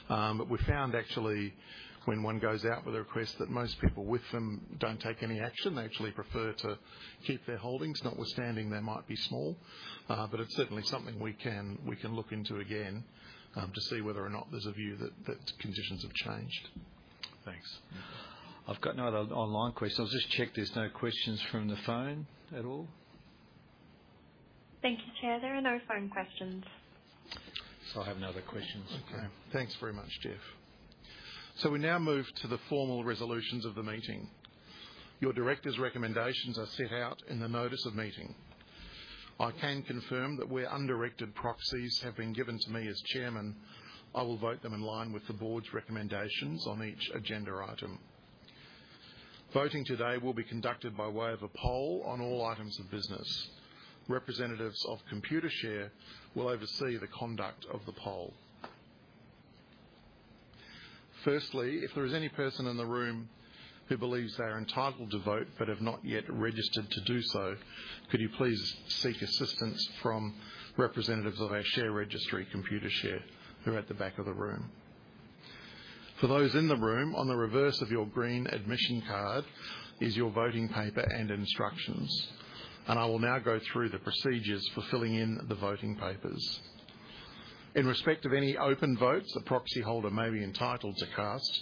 But we found actually, when one goes out with a request, that most people with them don't take any action. They actually prefer to keep their holdings, notwithstanding they might be small. But it's certainly something we can look into again to see whether or not there's a view that conditions have changed. Thanks. I've got no other online questions. I'll just check there's no questions from the phone at all. Thank you, Chair. There are no phone questions. I have no other questions. Okay. Thanks very much, Geoff. So we now move to the formal resolutions of the meeting. Your directors' recommendations are set out in the notice of meeting. I can confirm that where undirected proxies have been given to me as chairman, I will vote them in line with the board's recommendations on each agenda item. Voting today will be conducted by way of a poll on all items of business. Representatives of Computershare will oversee the conduct of the poll. Firstly, if there is any person in the room who believes they are entitled to vote but have not yet registered to do so, could you please seek assistance from representatives of our share registry, Computershare, who are at the back of the room. For those in the room, on the reverse of your green admission card is your voting paper and instructions, and I will now go through the procedures for filling in the voting papers. In respect of any open votes a proxyholder may be entitled to cast,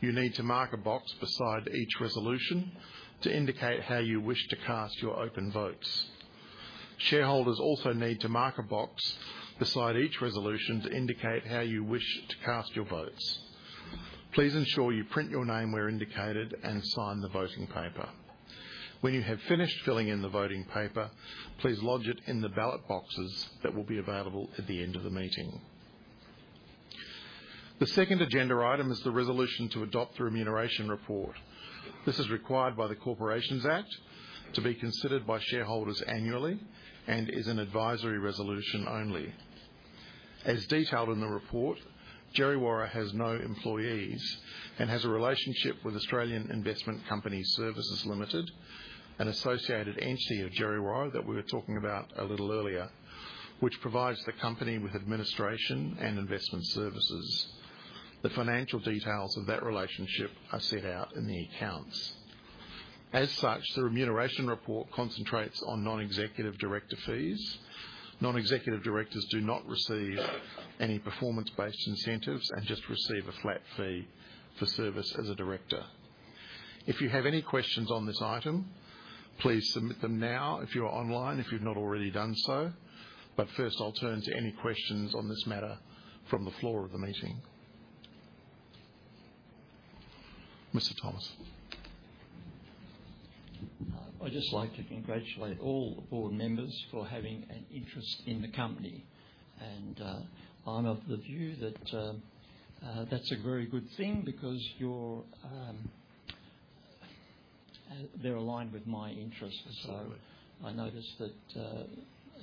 you need to mark a box beside each resolution to indicate how you wish to cast your open votes. Shareholders also need to mark a box beside each resolution to indicate how you wish to cast your votes. Please ensure you print your name where indicated and sign the voting paper. When you have finished filling in the voting paper, please lodge it in the ballot boxes that will be available at the end of the meeting. The second agenda item is the resolution to adopt the remuneration report. This is required by the Corporations Act to be considered by shareholders annually and is an advisory resolution only. As detailed in the report, Djerriwarrh has no employees and has a relationship with Australian Investment Company Services Limited, an associated entity of Djerriwarrh that we were talking about a little earlier, which provides the company with administration and investment services. The financial details of that relationship are set out in the accounts. As such, the remuneration report concentrates on non-executive director fees. Non-executive directors do not receive any performance-based incentives and just receive a flat fee for service as a director. If you have any questions on this item, please submit them now if you are online, if you've not already done so. But first, I'll turn to any questions on this matter from the floor of the meeting. Mr. Thomas? I'd just like to congratulate all the board members for having an interest in the company. I'm of the view that that's a very good thing because they're aligned with my interests. I noticed that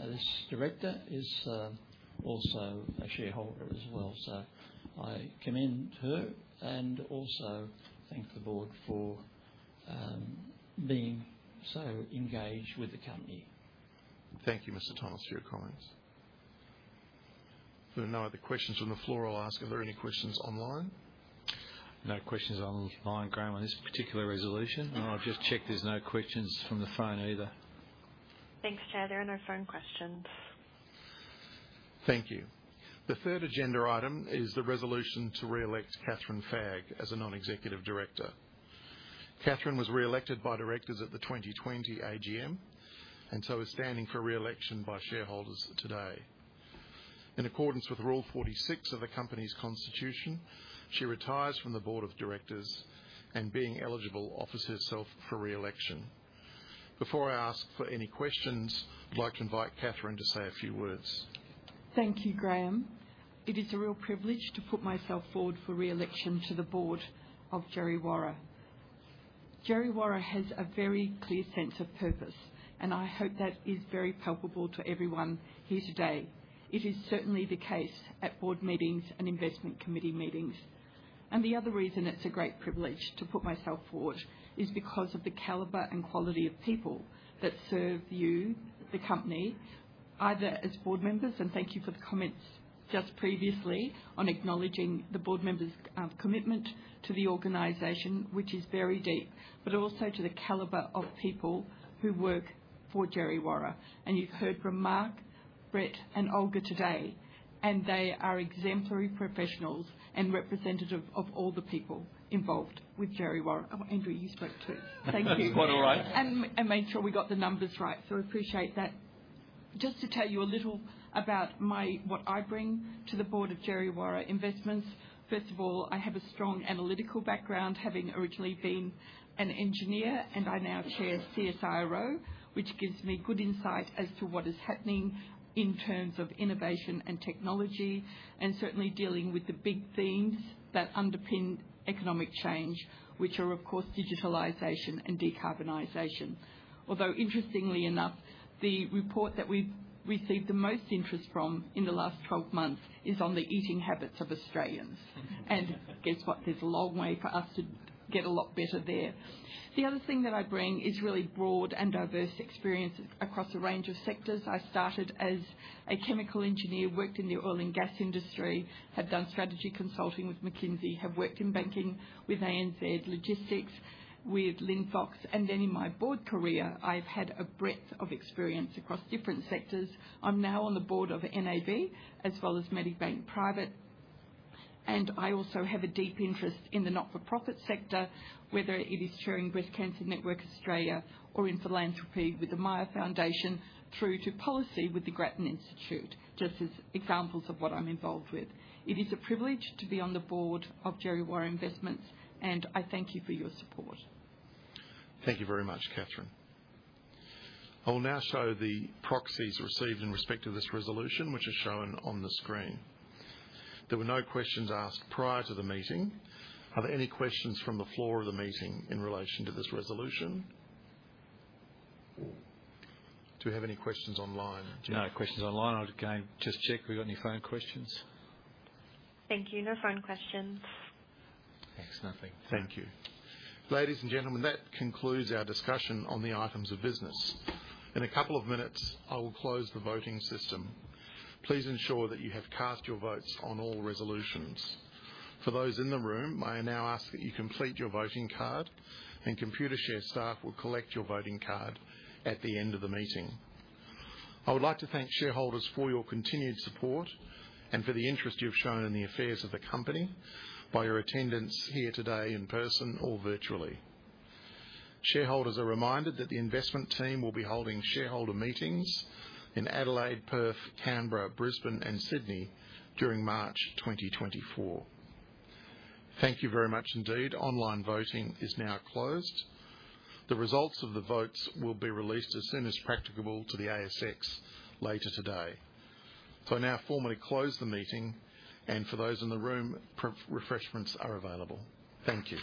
this director is also a shareholder as well. I commend her and also thank the board for being so engaged with the company. Thank you, Mr. Thomas, for your comments. If there are no other questions from the floor, I'll ask, are there any questions online? No questions online, Graham, on this particular resolution. I'll just check there's no questions from the phone either. Thanks, Chair. There are no phone questions. Thank you. The third agenda item is the resolution to re-elect Kathryn Fagg as a Non-Executive Director. Kathryn was re-elected by directors at the 2020 AGM, and so is standing for re-election by shareholders today. In accordance with Rule 46 of the company's constitution, she retires from the Board of Directors and, being eligible, offers herself for re-election. Before I ask for any questions, I'd like to invite Kathryn to say a few words. Thank you, Graham. It is a real privilege to put myself forward for re-election to the board of Djerriwarrh. Djerriwarrh has a very clear sense of purpose, and I hope that is very palpable to everyone here today. It is certainly the case at board meetings and investment committee meetings. And the other reason it's a great privilege to put myself forward is because of the caliber and quality of people that serve you, the company, either as board members, and thank you for the comments just previously on acknowledging the board members', commitment to the organization, which is very deep, but also to the caliber of people who work for Djerriwarrh. And you've heard from Mark, Brett, and Olga today, and they are exemplary professionals and representative of all the people involved with Djerriwarrh. Oh, Andrew, you spoke, too. Thank you. That's quite all right. And made sure we got the numbers right, so I appreciate that. Just to tell you a little about my, what I bring to the board of Djerriwarrh Investments. First of all, I have a strong analytical background, having originally been an engineer, and I now chair CSIRO, which gives me good insight as to what is happening in terms of innovation and technology, and certainly dealing with the big themes that underpin economic change, which are, of course, digitalization and decarbonization. Although interestingly enough, the report that we've received the most interest from in the last 12 months is on the eating habits of Australians. And guess what? There's a long way for us to get a lot better there. The other thing that I bring is really broad and diverse experiences across a range of sectors. I started as a chemical engineer, worked in the oil and gas industry, have done strategy consulting with McKinsey, have worked in banking with ANZ Logistics, with Linfox. Then in my board career, I've had a breadth of experience across different sectors. I'm now on the board of NAB, as well as Medibank Private, and I also have a deep interest in the not-for-profit sector, whether it is chairing Breast Cancer Network Australia or in philanthropy with the Myer Foundation, through to policy with the Grattan Institute, just as examples of what I'm involved with. It is a privilege to be on the board of Djerriwarrh Investments, and I thank you for your support. Thank you very much, Kathryn. I will now show the proxies received in respect to this resolution, which is shown on the screen. There were no questions asked prior to the meeting. Are there any questions from the floor of the meeting in relation to this resolution? Do we have any questions online, Jim? No questions online. I'd again, just check if we've got any phone questions. Thank you. No phone questions. Thanks. Nothing. Thank you. Ladies and gentlemen, that concludes our discussion on the items of business. In a couple of minutes, I will close the voting system. Please ensure that you have cast your votes on all resolutions. For those in the room, I now ask that you complete your voting card, and Computershare staff will collect your voting card at the end of the meeting. I would like to thank shareholders for your continued support and for the interest you've shown in the affairs of the company by your attendance here today in person or virtually. Shareholders are reminded that the investment team will be holding shareholder meetings in Adelaide, Perth, Canberra, Brisbane, and Sydney during March 2024. Thank you very much indeed. Online voting is now closed. The results of the votes will be released as soon as practicable to the ASX later today. I now formally close the meeting, and for those in the room, refreshments are available. Thank you.